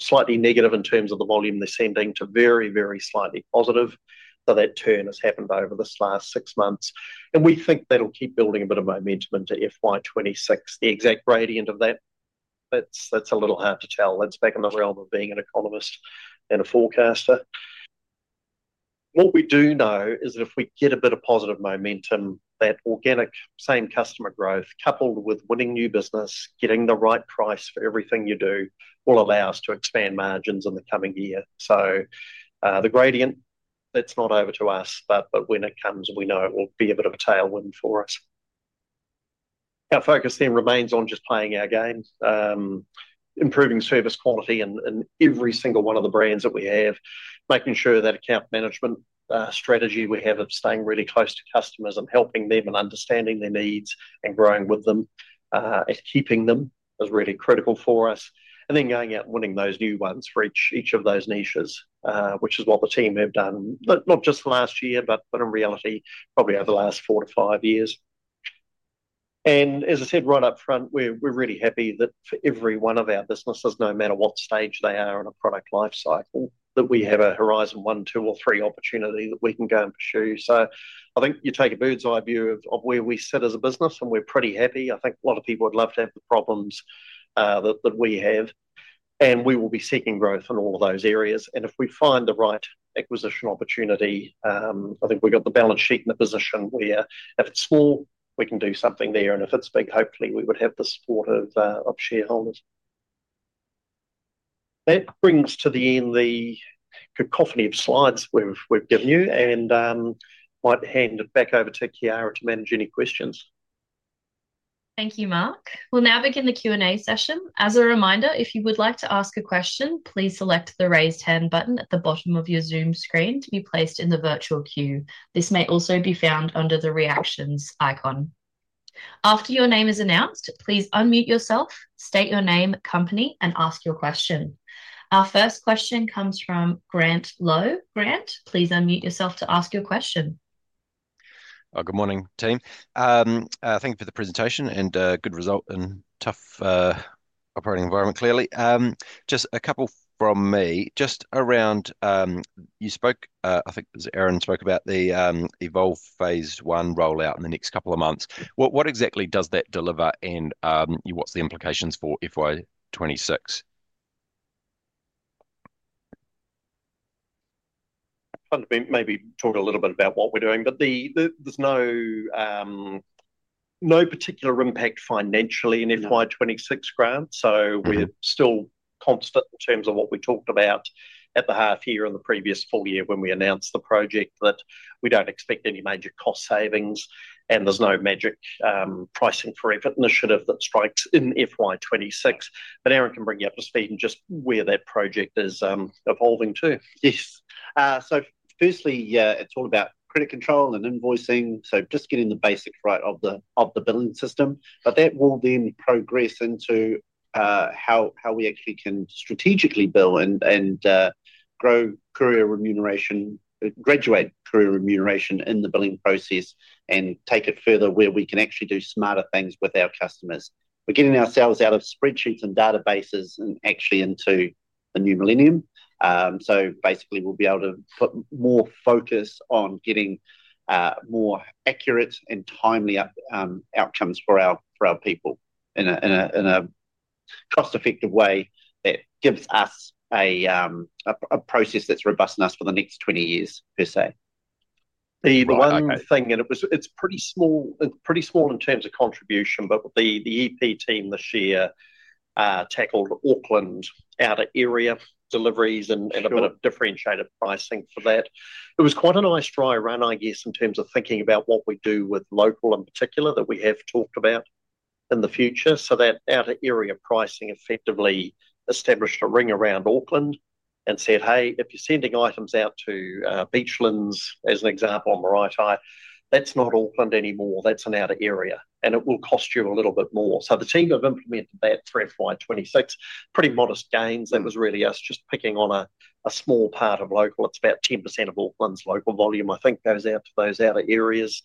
slightly negative in terms of the volume they're sending to very, very slightly positive. That turn has happened over this last six months, and we think that'll keep building a bit of momentum into FY 2026. The exact gradient of that is a little hard to tell. That's back in the realm of being an economist and a forecaster. What we do know is that if we get a bit of positive momentum, that organic same customer growth coupled with winning new business and getting the right price for everything you do will allow us to expand margins in the coming year. The gradient is not over to us, but when it comes, we know it will be a bit of a tailwind for us. Our focus then remains on just playing our game, improving service quality in every single one of the brands that we have, making sure that account management strategy we have of staying really close to customers and helping them and understanding their needs and growing with them and keeping them is really critical for us. Then going out and winning those new ones for each of those niches, which is what the team have done not just last year, but in reality, probably over the last four to five years. As I said right up front, we're really happy that for every one of our businesses, no matter what stage they are in a product lifecycle, we have a Horizon 1, 2, or 3 opportunity that we can go and pursue. I think you take a bird's eye view of where we sit as a business, and we're pretty happy. I think a lot of people would love to have the problems that we have. We will be seeking growth in all of those areas. If we find the right acquisition opportunity, I think we've got the balance sheet in a position where if it's small, we can do something there. If it's big, hopefully, we would have the support of shareholders. That brings to the end the cacophony of slides we've given you. I might hand it back over to Kiara to manage any questions. Thank you, Mark. We'll now begin the Q&A session. As a reminder, if you would like to ask a question, please select the raised hand button at the bottom of your Zoom screen to be placed in the virtual queue. This may also be found under the reactions icon. After your name is announced, please unmute yourself, state your name, company, and ask your question. Our first question comes from Grant Lowe. Grant, please unmute yourself to ask your question. Good morning, team. Thank you for the presentation and good result in a tough operating environment, clearly. Just a couple from me. Just around you spoke, I think it was Aaron spoke about the Evolve phase I rollout in the next couple of months. What exactly does that deliver and what's the implications for FY 2026? I'm going to maybe talk a little bit about what we're doing, but there's no particular impact financially in FY 2026 grants. We're still constant in terms of what we talked about at the half year and the previous full year when we announced the project that we don't expect any major cost savings. There's no magic pricing for effort initiative that strikes in FY 2026. Aaron can bring you up to speed and just where that project is evolving to. Yes. Firstly, it's all about credit control and invoicing, just getting the basics right of the billing system. That will then progress into how we actually can strategically bill and grow courier remuneration, graduate courier remuneration in the billing process, and take it further where we can actually do smarter things with our customers. We're getting ourselves out of spreadsheets and databases and actually into the new millennium. Basically, we'll be able to put more focus on getting more accurate and timely outcomes for our people in a cost-effective way that gives us a process that's robust enough for the next 20 years, per se. The one thing, and it's pretty small in terms of contribution, but the EP team this year tackled Auckland out-of-area deliveries and a bit of differentiated pricing for that. It was quite a nice dry run, I guess, in terms of thinking about what we do with local in particular that we have talked about in the future. That out-of-area pricing effectively established a ring around Auckland and said, "Hey, if you're sending items out to Beachlands as an example on Maraetai, that's not Auckland anymore. That's an out-of-area. And it will cost you a little bit more." The team have implemented that for FY 2026. Pretty modest gains. That was really us just picking on a small part of local. It's about 10% of Auckland's local volume, I think, goes out to those out-of-areas.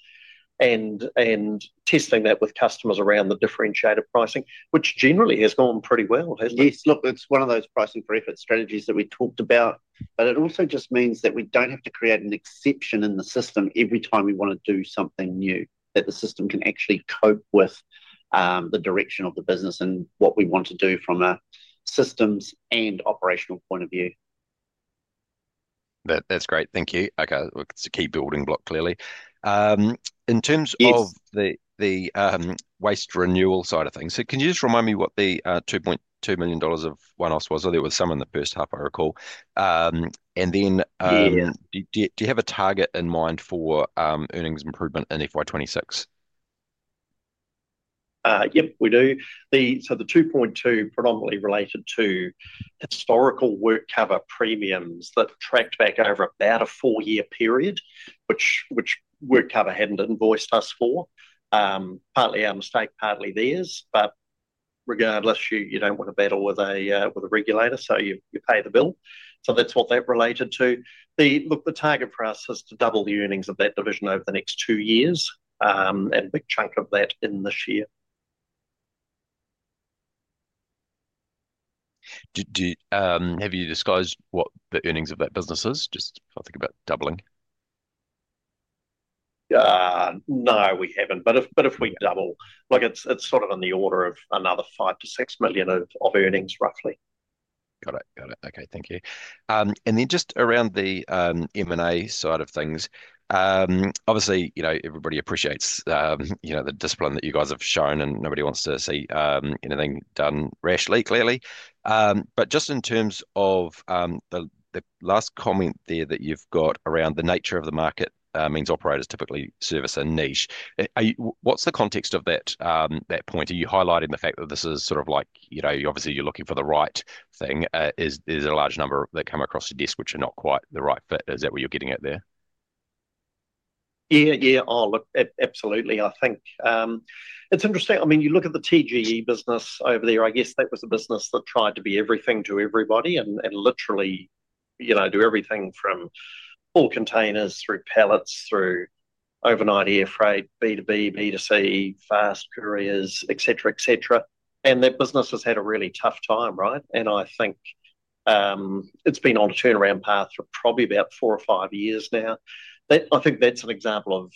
Testing that with customers around the differentiated pricing, which generally has gone pretty well, hasn't it? Yes. Look, it's one of those pricing for effort strategies that we talked about. It also just means that we don't have to create an exception in the system every time we want to do something new, that the system can actually cope with the direction of the business and what we want to do from a systems and operational point of view. That's great. Thank you. Okay. It's a key building block, clearly. In terms of the waste renewal side of things, can you just remind me what the 2.2 million dollars of one-offs was? There was some in the first half, I recall. Do you have a target in mind for earnings improvement in FY 2026? Yes, we do. The 2.2 million predominantly related to historical work cover premiums that tracked back over about a four-year period, which work cover hadn't invoiced us for. Partly our mistake, partly theirs. Regardless, you don't want to battle with a regulator, so you pay the bill. That's what that related to. The target for us is to double the earnings of that division over the next two years, and a big chunk of that in this year. Have you disguised what the earnings of that business is? I'll think about doubling. No, we haven't. If we double, look, it's sort of in the order of another 5 million-6 million of earnings, roughly. Got it. Okay. Thank you. Just around the M&A side of things, obviously, everybody appreciates the discipline that you guys have shown, and nobody wants to see anything done rashly, clearly. Just in terms of the last comment there that you've got around the nature of the market means operators typically service a niche, what's the context of that point? Are you highlighting the fact that this is sort of like, obviously you're looking for the right thing? Is there a large number that come across your desk which are not quite the right fit? Is that where you're getting at there? Yeah, absolutely. I think it's interesting. I mean, you look at the TGE business over there. I guess that was the business that tried to be everything to everybody and literally, you know, do everything from all containers through pallets, through overnight air freight, B2B, B2C, fast couriers, et cetera. That business has had a really tough time, right? I think it's been on a turnaround path for probably about four or five years now. I think that's an example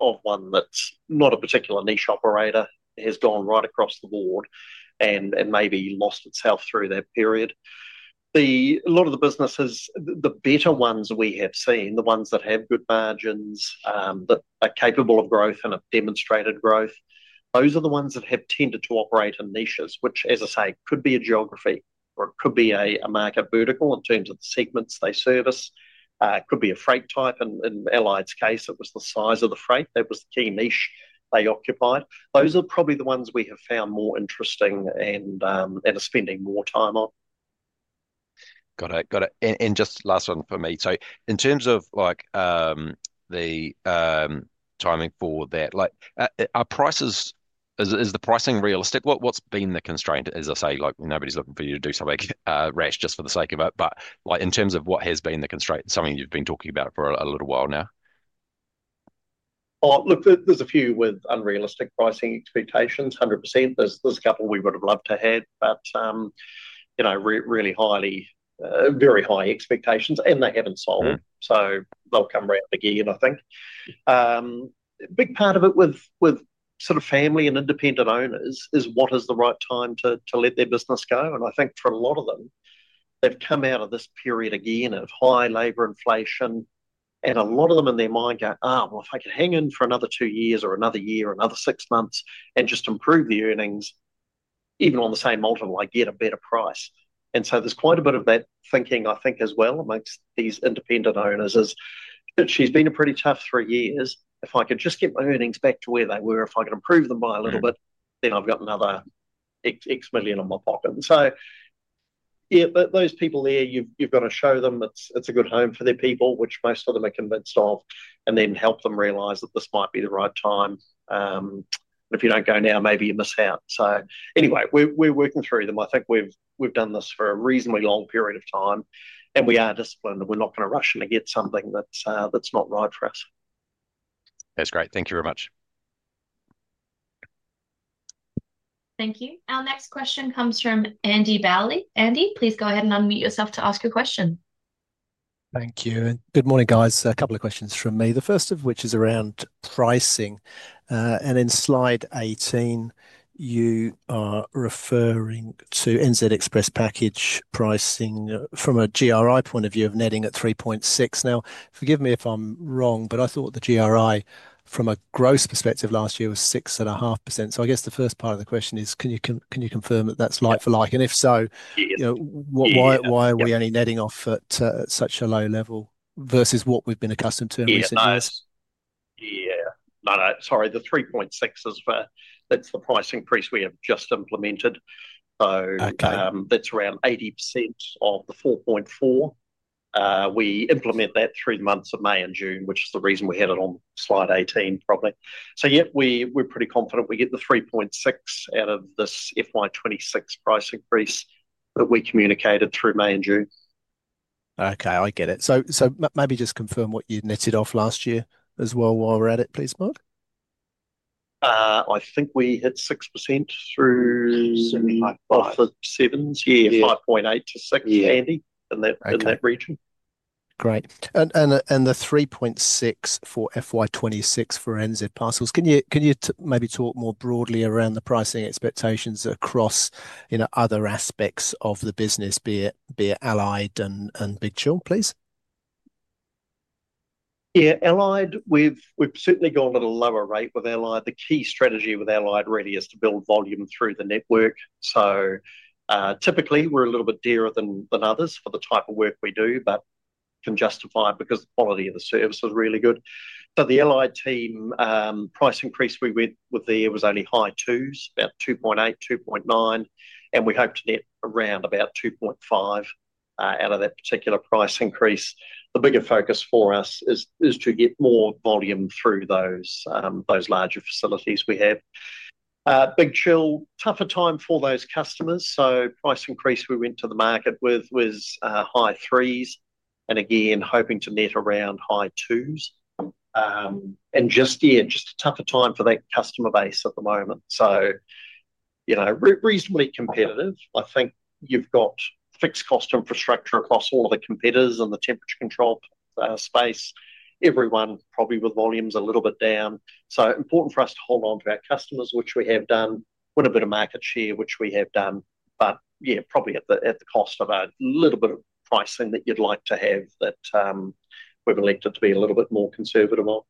of one that's not a particular niche operator, has gone right across the board and maybe lost itself through that period. A lot of the businesses, the better ones we have seen, the ones that have good margins, that are capable of growth and have demonstrated growth, those are the ones that have tended to operate in niches, which, as I say, could be a geography or it could be a market vertical in terms of the segments they service. It could be a freight type. In Allied's case, it was the size of the freight that was the key niche they occupied. Those are probably the ones we have found more interesting and are spending more time on. Got it. Just last one for me. In terms of the timing for that, are prices, is the pricing realistic? What's been the constraint, as I say, nobody's looking for you to do something rash just for the sake of it. In terms of what has been the constraint, something you've been talking about for a little while now? Look, there's a few with unrealistic pricing expectations, 100%. There's a couple we would have loved to have, but you know, really highly, very high expectations, and they haven't sold. They'll come around again, I think. A big part of it with sort of family and independent owners is what is the right time to let their business go. I think for a lot of them, they've come out of this period again of high labor inflation, and a lot of them in their mind go, "Oh, well, if I could hang in for another two years or another year or another six months and just improve the earnings, even on the same multiple, I get a better price." There's quite a bit of that thinking, I think, as well, amongst these independent owners is, "It's been a pretty tough three years. If I could just get my earnings back to where they were, if I could improve them by a little bit, then I've got another X million in my pocket." Those people there, you've got to show them it's a good home for their people, which most of them are convinced of, and then help them realize that this might be the right time. If you don't go now, maybe you miss out. Anyway, we're working through them. I think we've done this for a reasonably long period of time, and we are disciplined, and we're not going to rush in and get something that's not right for us. That's great. Thank you very much. Thank you. Our next question comes from Andy Bowley. Andy, please go ahead and unmute yourself to ask your question. Thank you. Good morning, guys. A couple of questions from me. The first of which is around pricing. In slide 18, you are referring to NZ Express Package pricing from a GRI point of view of netting at 3.6%. Now, forgive me if I'm wrong, but I thought the GRI from a gross perspective last year was 6.5%. I guess the first part of the question is, can you confirm that that's like for like? If so, you know, why are we only netting off at such a low level versus what we've been accustomed to in recent years? Yeah. Sorry, the 3.6% is for that's the price increase we have just implemented. That's around 80% of the 4.4%. We implement that three months of May and June, which is the reason we had it on slide 18, probably. Yeah, we're pretty confident we get the 3.6% out of this FY 2026 price increase that we communicated through May and June. Okay, I get it. Maybe just confirm what you netted off last year as well while we're at it, please, Mark. I think we had 6% through. Seven? Yeah, 5.8%-6%, Andy, in that region. Great. The 3.6% for FY 2026 for NZ Parcels, can you maybe talk more broadly around the pricing expectations across other aspects of the business, be it Allied and Big Chill, please? Yeah, Allied, we've certainly gone at a lower rate with Allied. The key strategy with Allied really is to build volume through the network. Typically, we're a little bit dearer than others for the type of work we do, but can justify it because the quality of the service is really good. The Allied team price increase we went with there was only high twos, about 2.8%, 2.9%, and we hope to net around about 2.5% out of that particular price increase. The bigger focus for us is to get more volume through those larger facilities we have. Big Chill, tougher time for those customers. Price increase we went to the market with was high threes, and again, hoping to net around high twos. Just a tougher time for that customer base at the moment. Reasonably competitive. I think you've got fixed cost infrastructure across all of the competitors in the temperature control space. Everyone probably with volumes a little bit down. Important for us to hold on to our customers, which we have done, with a bit of market share, which we have done, but probably at the cost of a little bit of pricing that you'd like to have that we've elected to be a little bit more conservative on.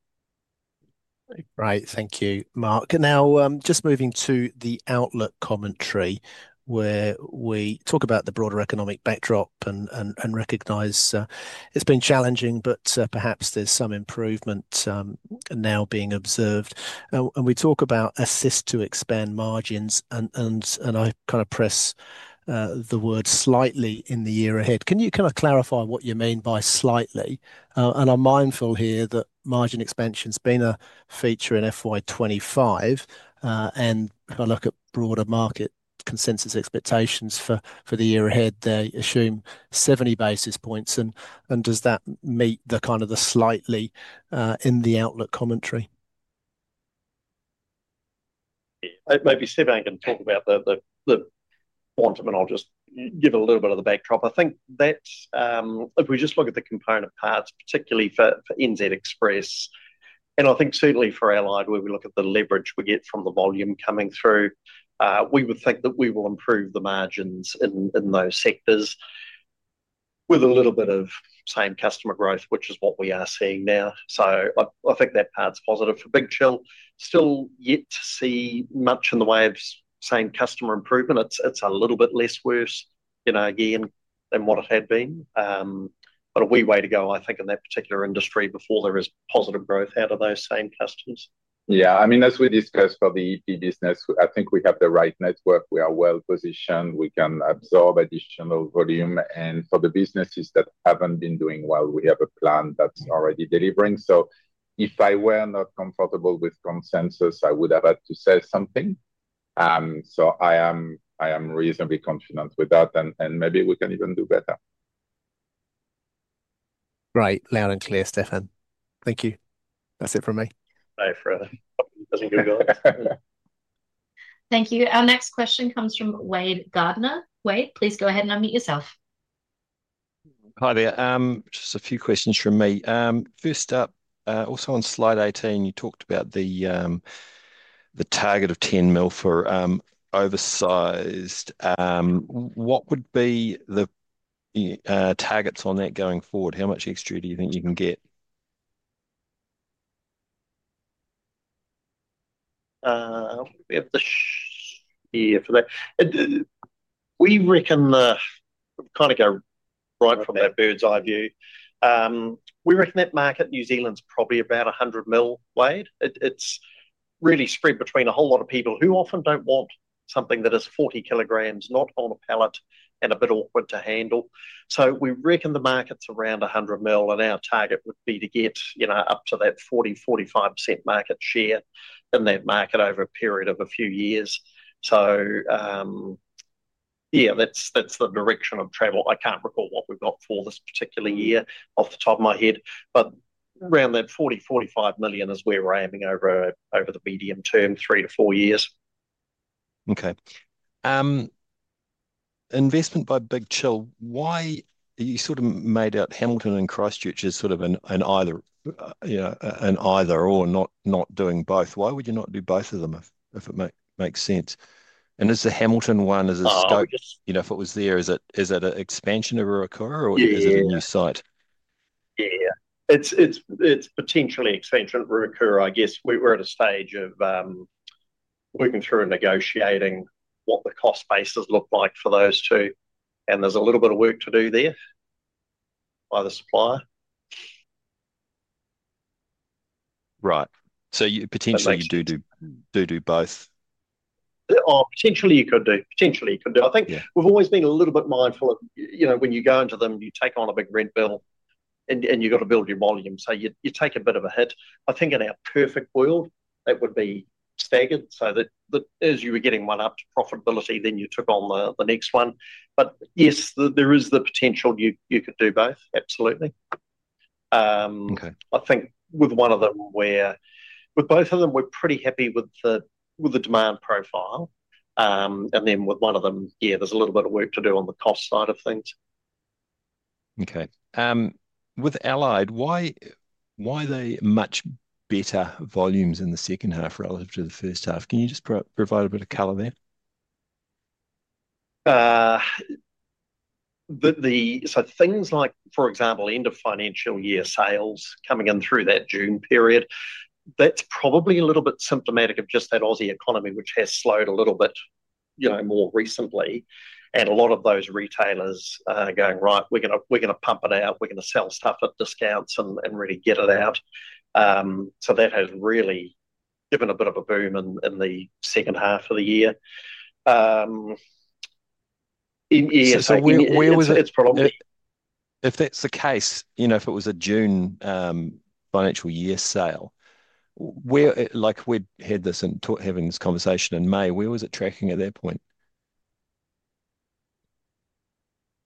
Great. Thank you, Mark. Now, just moving to the outlook commentary, where we talk about the broader economic backdrop and recognize it's been challenging, but perhaps there's some improvement now being observed. We talk about assist to expand margins, and I kind of press the word slightly in the year ahead. Can you kind of clarify what you mean by slightly? I'm mindful here that margin expansion's been a feature in FY 2025. If I look at broader market consensus expectations for the year ahead, they assume 70 basis points. Does that meet the kind of the slightly in the outlook commentary? Yeah, maybe Stephan can talk about the quantum, and I'll just give a little bit of the backdrop. I think that if we just look at the component paths, particularly for NZ Express, and I think certainly for Allied, where we look at the leverage we get from the volume coming through, we would think that we will improve the margins in those sectors with a little bit of same customer growth, which is what we are seeing now. I think that part's positive for Big Chill. Still yet to see much in the way of same customer improvement. It's a little bit less worse, you know, again, than what it had been. A wee way to go, I think, in that particular industry before there is positive growth out of those same customers. Yeah, I mean, as we discussed for the EP business, I think we have the right network. We are well positioned. We can absorb additional volume. For the businesses that haven't been doing well, we have a plan that's already delivering. If I were not comfortable with consensus, I would have had to say something. I am reasonably confident with that, and maybe we can even do better. Great. Loud and clear, Stephan. Thank you. That's it from me. Thank you. Our next question comes from Wade Gardiner. Wade, please go ahead and unmute yourself. Hi there. Just a few questions from me. First up, also on slide 18, you talked about the target of 10 million for oversized. What would be the targets on that going forward? How much extra do you think you can get? Yeah, for that, we reckon the kind of go right from that bird's eye view. We reckon that market in New Zealand's probably about 100 million. It's really spread between a whole lot of people who often don't want something that is 40 kg, not on a pallet, and a bit awkward to handle. We reckon the market's around 100 million, and our target would be to get up to that 40%-45% market share in that market over a period of a few years. That's the direction of travel. I can't recall what we've got for this particular year off the top of my head, but around that 40 million-45 million is where we're aiming over the medium term, three to four years. Okay. Investment by Big Chill, why you sort of made out Hamilton and Christchurch as sort of an either or, not doing both. Why would you not do both of them if it makes sense? Is the Hamilton one, as a scope, you know, if it was there, is it an expansion of Ruakura or is it a new site? Yeah, yeah, it's potentially expansion at Ruakura, I guess. We're at a stage of working through and negotiating what the cost bases look like for those two. There's a little bit of work to do there by the supplier. Right. So, you potentially do both? Potentially, you could do. I think we've always been a little bit mindful of, you know, when you go into them, you take on a big rent bill and you've got to build your volume. You take a bit of a hit. I think in our perfect world, that would be staggered. As you were getting one up to profitability, then you took on the next one. Yes, there is the potential you could do both, absolutely. I think with one of them, with both of them, we're pretty happy with the demand profile. With one of them, there's a little bit of work to do on the cost side of things. Okay. With Allied, why are there much better volumes in the second half relative to the first half? Can you just provide a bit of color there? Things like, for example, end of financial year sales coming in through that June period are probably a little bit symptomatic of just that Aussie economy, which has slowed a little bit more recently. A lot of those retailers are going, "Right, we're going to pump it out. We're going to sell stuff at discounts and really get it out." That has really given a bit of a boom in the second half of the year. Yeah, so where was it? If that's the case, you know, if it was a June financial year sale, where like we'd had this and having this conversation in May, where was it tracking at that point?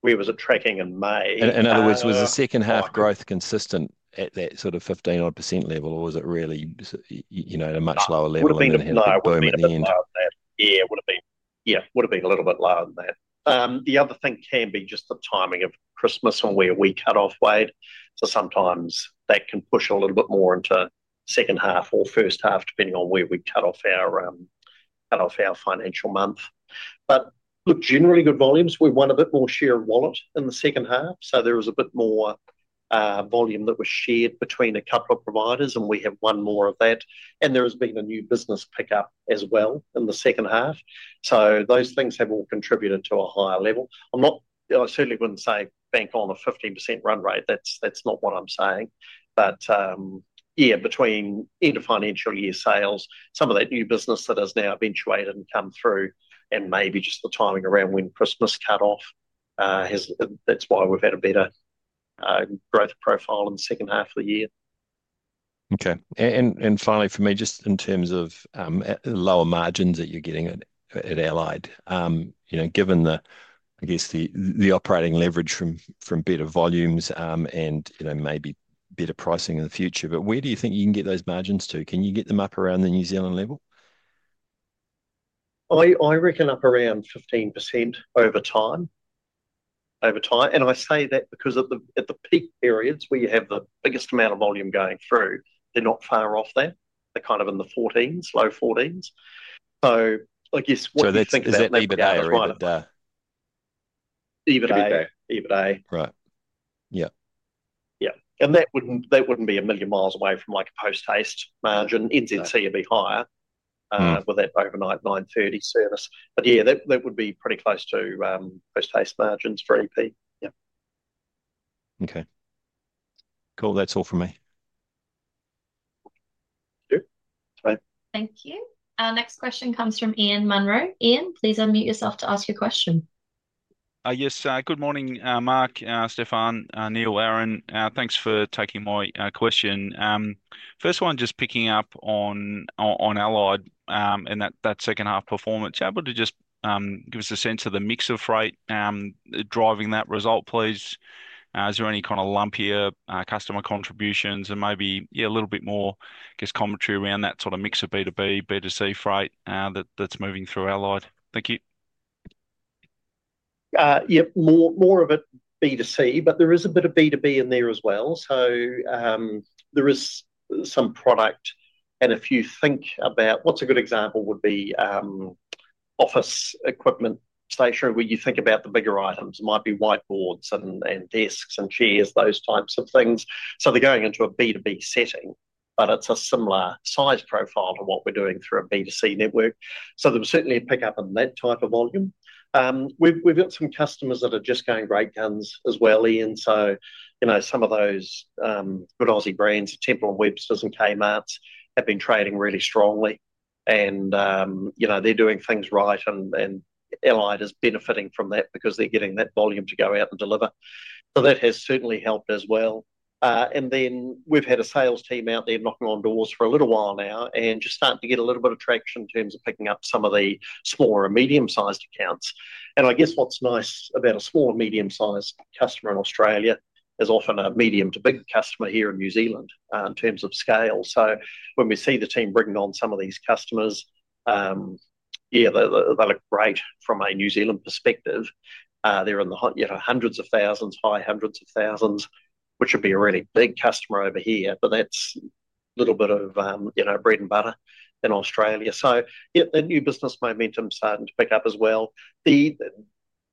Where was it tracking in May? In other words, was the second half growth consistent at that sort of 15% level, or was it really at a much lower level and then boom at the end? Yeah, it would have been a little bit lower than that. The other thing can be just the timing of Christmas on where we cut off, Wade. Sometimes that can push a little bit more into second half or first half, depending on where we cut off our financial month. Generally good volumes. We won a bit more share wallet in the second half. There was a bit more volume that was shared between a couple of providers, and we have won more of that. There has been a new business pickup as well in the second half. Those things have all contributed to a higher level. I'm not, I certainly wouldn't say bank on a 15% run rate. That's not what I'm saying. Between end of financial year sales, some of that new business that has now eventuated and come through, and maybe just the timing around when Christmas cut off, that's why we've had a better growth profile in the second half of the year. Okay. Finally, for me, just in terms of lower margins that you're getting at Allied, you know, given the, I guess, the operating leverage from better volumes and, you know, maybe better pricing in the future. Where do you think you can get those margins to? Can you get them up around the New Zealand level? I reckon up around 15% over time. I say that because at the peak periods where you have the biggest amount of volume going through, they're not far off that. They're kind of in the 14%, low 14%. What do you think, is that EBITDA or EBITDA? EBITDA. Right. Yeah. Yeah, that wouldn't be a million miles away from like a Post Haste margin. NZC would be higher with that overnight 9:30 A.M. service, but yeah, that would be pretty close to Post Haste margins for EP. Yeah, okay. Cool. That's all from me. Thank you. Thank you. Our next question comes from Ian Munro. Ian, please unmute yourself to ask your question. Yes. Good morning, Mark, Stephan, Neil, Aaron. Thanks for taking my question. First one, just picking up on Allied and that second half performance. Able to just give us a sense of the mix of freight driving that result, please. Is there any kind of lumpier customer contributions and maybe, yeah, a little bit more, I guess, commentary around that sort of mix of B2B, B2C freight that's moving through Allied? Thank you. Yep. More of a B2C, but there is a bit of B2B in there as well. There is some product. If you think about what's a good example, it would be office equipment, stationery, where you think about the bigger items. It might be whiteboards and desks and chairs, those types of things. They're going into a B2B setting, but it's a similar size profile to what we're doing through a B2C network. There's certainly a pickup in that type of volume. We've got some customers that are just going great guns as well, Ian. Some of those good Aussie brands, Temple & Webster and Kmart, have been trading really strongly. They're doing things right, and Allied is benefiting from that because they're getting that volume to go out and deliver. That has certainly helped as well. We've had a sales team out there knocking on doors for a little while now and just starting to get a little bit of traction in terms of picking up some of the smaller and medium-sized accounts. What's nice about a smaller and medium-sized customer in Australia is often a medium to bigger customer here in New Zealand in terms of scale. When we see the team bringing on some of these customers, they look great from a New Zealand perspective. They're in the hundreds of thousands, high hundreds of thousands, which would be a really big customer over here, but that's a little bit of bread and butter in Australia. The new business momentum's starting to pick up as well.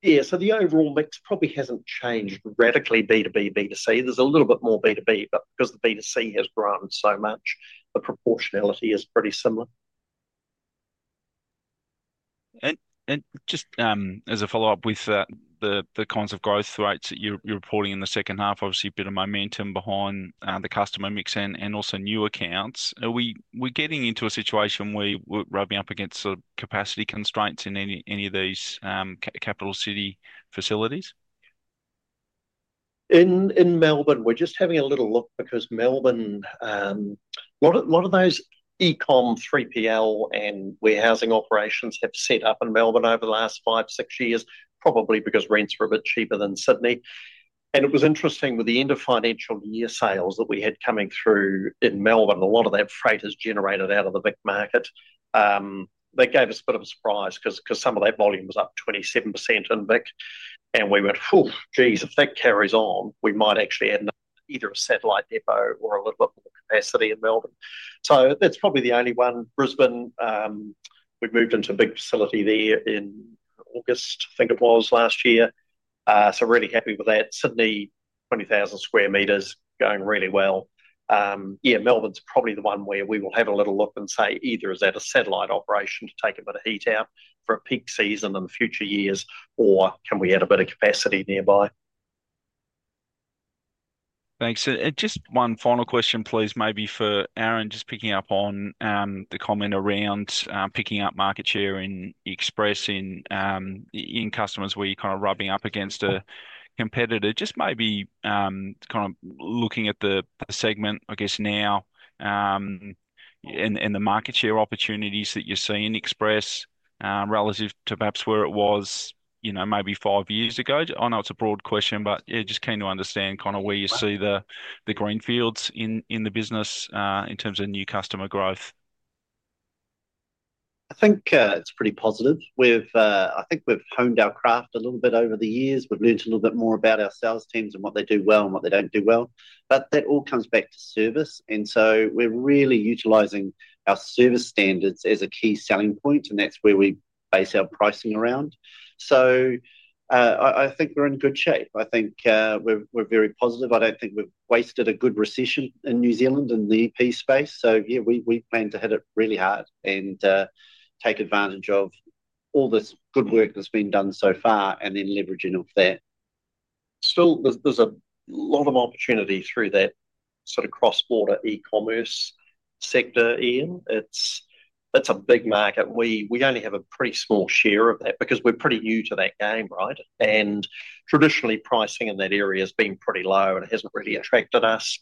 The overall mix probably hasn't changed radically B2B, B2C. There's a little bit more B2B, but because the B2C has grown so much, the proportionality is pretty similar. Just as a follow-up, with the kinds of growth rates that you're reporting in the second half, obviously a bit of momentum behind the customer mix and also new accounts. Are we getting into a situation where we're rubbing up against the capacity constraints in any of these capital city facilities? In Melbourne, we're just having a little look because Melbourne, a lot of those e-comm 3PL and warehousing operations have set up in Melbourne over the last five or six years, probably because rents are a bit cheaper than Sydney. It was interesting with the end of financial year sales that we had coming through in Melbourne, a lot of that freight is generated out of the BIC market. That gave us a bit of a surprise because some of that volume was up 27% in BIC. We went, oh, jeez, if that carries on, we might actually add either a satellite depot or a little bit more capacity in Melbourne. That's probably the only one. Brisbane, we moved into a big facility there in August, I think it was last year. Really happy with that. Sydney, 20,000 sq m, going really well. Melbourne's probably the one where we will have a little look and say either is that a satellite operation to take a bit of heat out for a peak season in future years, or can we add a bit of capacity nearby? Thanks. Just one final question, please, maybe for Aaron, just picking up on the comment around picking up market share in Express in customers where you're kind of rubbing up against a competitor. Maybe kind of looking at the segment, I guess now, and the market share opportunities that you see in Express relative to perhaps where it was, you know, maybe five years ago. I know it's a broad question, but yeah, just keen to understand kind of where you see the greenfields in the business in terms of new customer growth. I think it's pretty positive. I think we've honed our craft a little bit over the years. We've learned a little bit more about our sales teams and what they do well and what they don't do well. That all comes back to service. We're really utilizing our service standards as a key selling point, and that's where we base our pricing around. I think we're in good shape. I think we're very positive. I don't think we've wasted a good recession in New Zealand in the EP space. We plan to hit it really hard and take advantage of all this good work that's been done so far, then leveraging off that. Still, there's a lot of opportunity through that sort of cross-border e-commerce sector, Ian. It's a big market. We only have a pretty small share of that because we're pretty new to that game, right? Traditionally, pricing in that area has been pretty low and it hasn't really attracted us.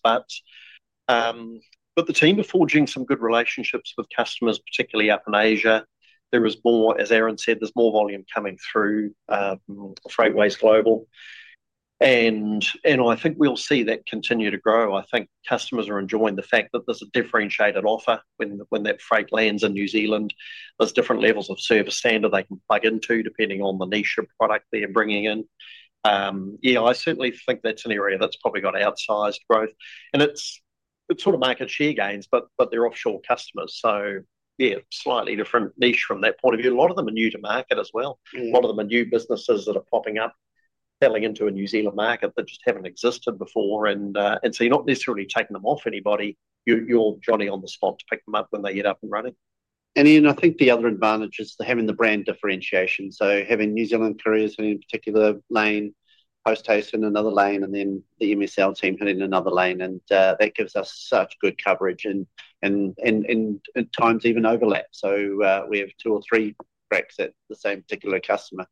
The team are forging some good relationships with customers, particularly up in Asia. There is more, as Aaron said, there's more volume coming through Freightways Global. I think we'll see that continue to grow. I think customers are enjoying the fact that there's a differentiated offer when that freight lands in New Zealand. There's different levels of service standard they can plug into depending on the niche of product they're bringing in. I certainly think that's an area that's probably got outsized growth. It's sort of market share gains, but they're offshore customers. Slightly different niche from that point of view. A lot of them are new to market as well. A lot of them are new businesses that are popping up, selling into a New Zealand market that just haven't existed before. You're not necessarily taking them off anybody. You're Johnny on the spot to pick them up when they get up and running. I think the other advantage is having the brand differentiation. Having New Zealand Couriers in a particular lane, Post Haste in another lane, and then the EMSL team heading in another lane. That gives us such good coverage and at times even overlap, so we have two or three racks at the same particular customer.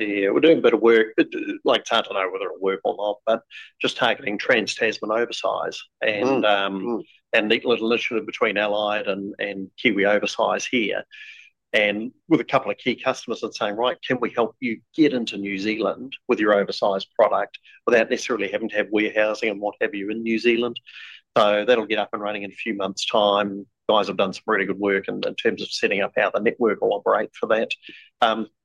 We're doing a bit of work. It's hard to know whether it'll work or not, but just targeting Trans-Tasman oversize and the little issue between Allied and Kiwi oversize here. With a couple of key customers that are saying, "Right, can we help you get into New Zealand with your oversize product without necessarily having to have warehousing and what have you in New Zealand?" That'll get up and running in a few months' time. Guys have done some really good work in terms of setting up how the network will operate for that.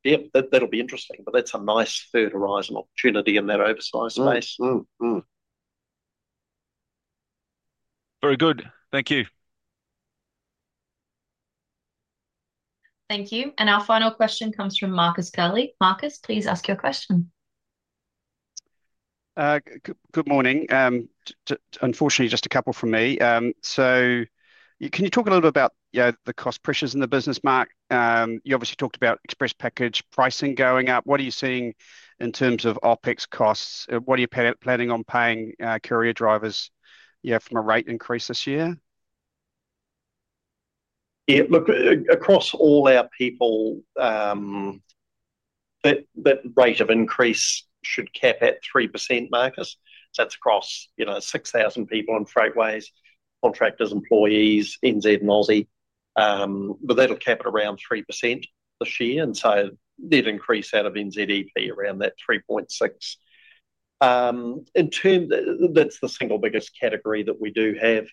Yeah, that'll be interesting, but that's a nice third horizon opportunity in that oversize space. Very good. Thank you. Thank you. Our final question comes from Marcus Curley. Marcus, please ask your question. Good morning. Unfortunately, just a couple from me. Can you talk a little bit about the cost pressures in the business? Mark, you obviously talked about Express Package pricing going up. What are you seeing in terms of OpEx costs? What are you planning on paying courier drivers, yeah, from a rate increase this year? Yeah, look, across all our people, that rate of increase should cap at 3%, Marcus. That's across, you know, 6,000 people on Freightways, contractors, employees, New Zealand, and Aussie. That'll cap at around 3% this year. That increase out of NZEP around that 3.6%. In terms, that's the single biggest category that we do have.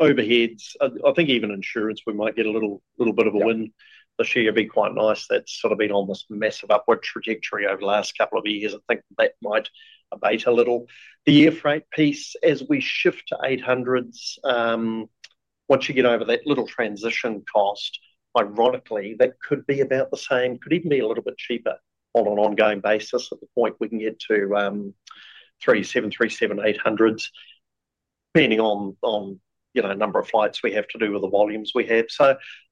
Overheads, I think even insurance, we might get a little bit of a win this year. It'd be quite nice. That's sort of been on this massive upward trajectory over the last couple of years. I think that might abate a little. The air freight piece, as we shift to 800s, once you get over that little transition cost, ironically, that could be about the same, could even be a little bit cheaper on an ongoing basis at the point we can get to three 737-800s, depending on the number of flights we have to do with the volumes we have.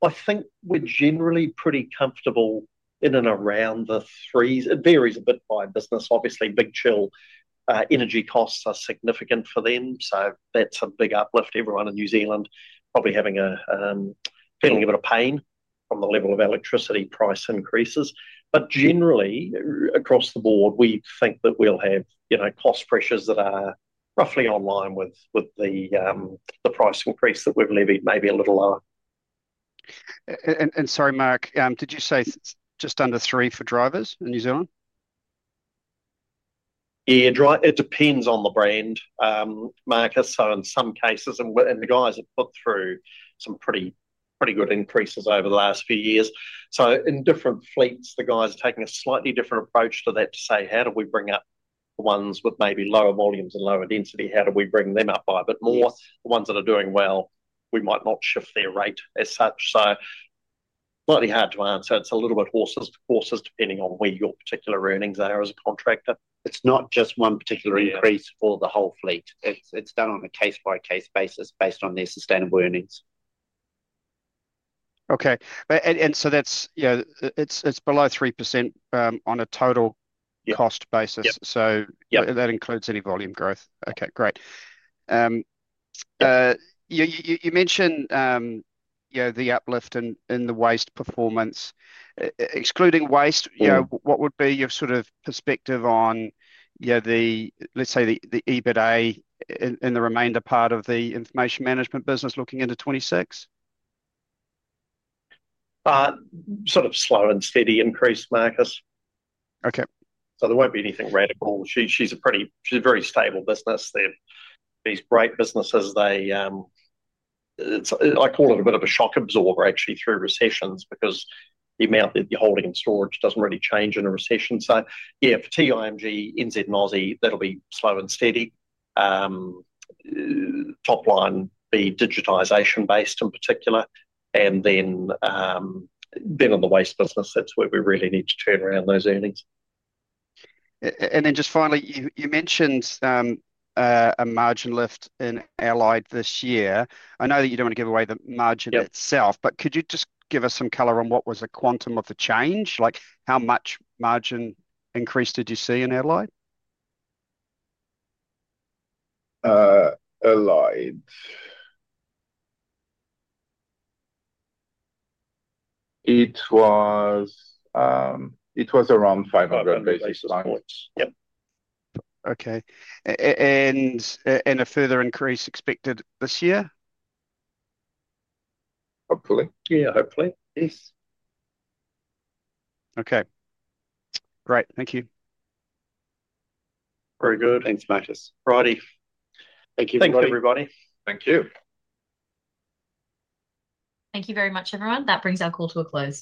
I think we're generally pretty comfortable in and around the threes. It varies a bit by business. Obviously, Big Chill energy costs are significant for them. That's a big uplift. Everyone in New Zealand is probably having a bit of pain from the level of electricity price increases. Generally, across the board, we think that we'll have, you know, cost pressures that are roughly online with the price increase that we've levied, maybe a little lower. Sorry, Mark, did you say just under three for drivers in New Zealand? Yeah, it depends on the brand, Marcus. In some cases, the guys have put through some pretty good increases over the last few years. In different fleets, the guys are taking a slightly different approach to that to say, how do we bring up the ones with maybe lower volumes and lower density? How do we bring them up by a bit more? The ones that are doing well, we might not shift their rate as such. It's slightly hard to answer. It's a little bit horses depending on where your particular earnings are as a contractor. It's not just one particular increase for the whole fleet. It's done on a case-by-case basis based on their sustainable earnings. Okay. That's, you know, it's below 3% on a total cost basis. That includes any volume growth. Okay, great. You mentioned the uplift in the waste performance. Excluding waste, what would be your sort of perspective on the, let's say, the EBITDA in the remainder part of the Information Management business looking into 2026? Sort of slow and steady increase, Marcus. Okay. There won't be anything radical. She's a very stable business. These break businesses, I call it a bit of a shock absorber, actually, through recessions because the amount that you're holding in storage doesn't really change in a recession. For TIMG, NZ and Aussie, that'll be slow and steady, top line being digitization-based in particular. Being in the waste business, that's where we really need to turn around those earnings. Finally, you mentioned a margin lift in Allied this year. I know that you don't want to give away the margin itself, but could you just give us some color on what was the quantum of the change? Like how much margin increase did you see in Allied? Express. It was around 500 basis points. Okay. Is a further increase expected this year? Hopefully, yeah, hopefully. Yes, okay. Great, thank you. Very good. Thanks, Marcus. Friday, thank you for everybody. Thank you. Thank you very much, everyone. That brings our call to a close.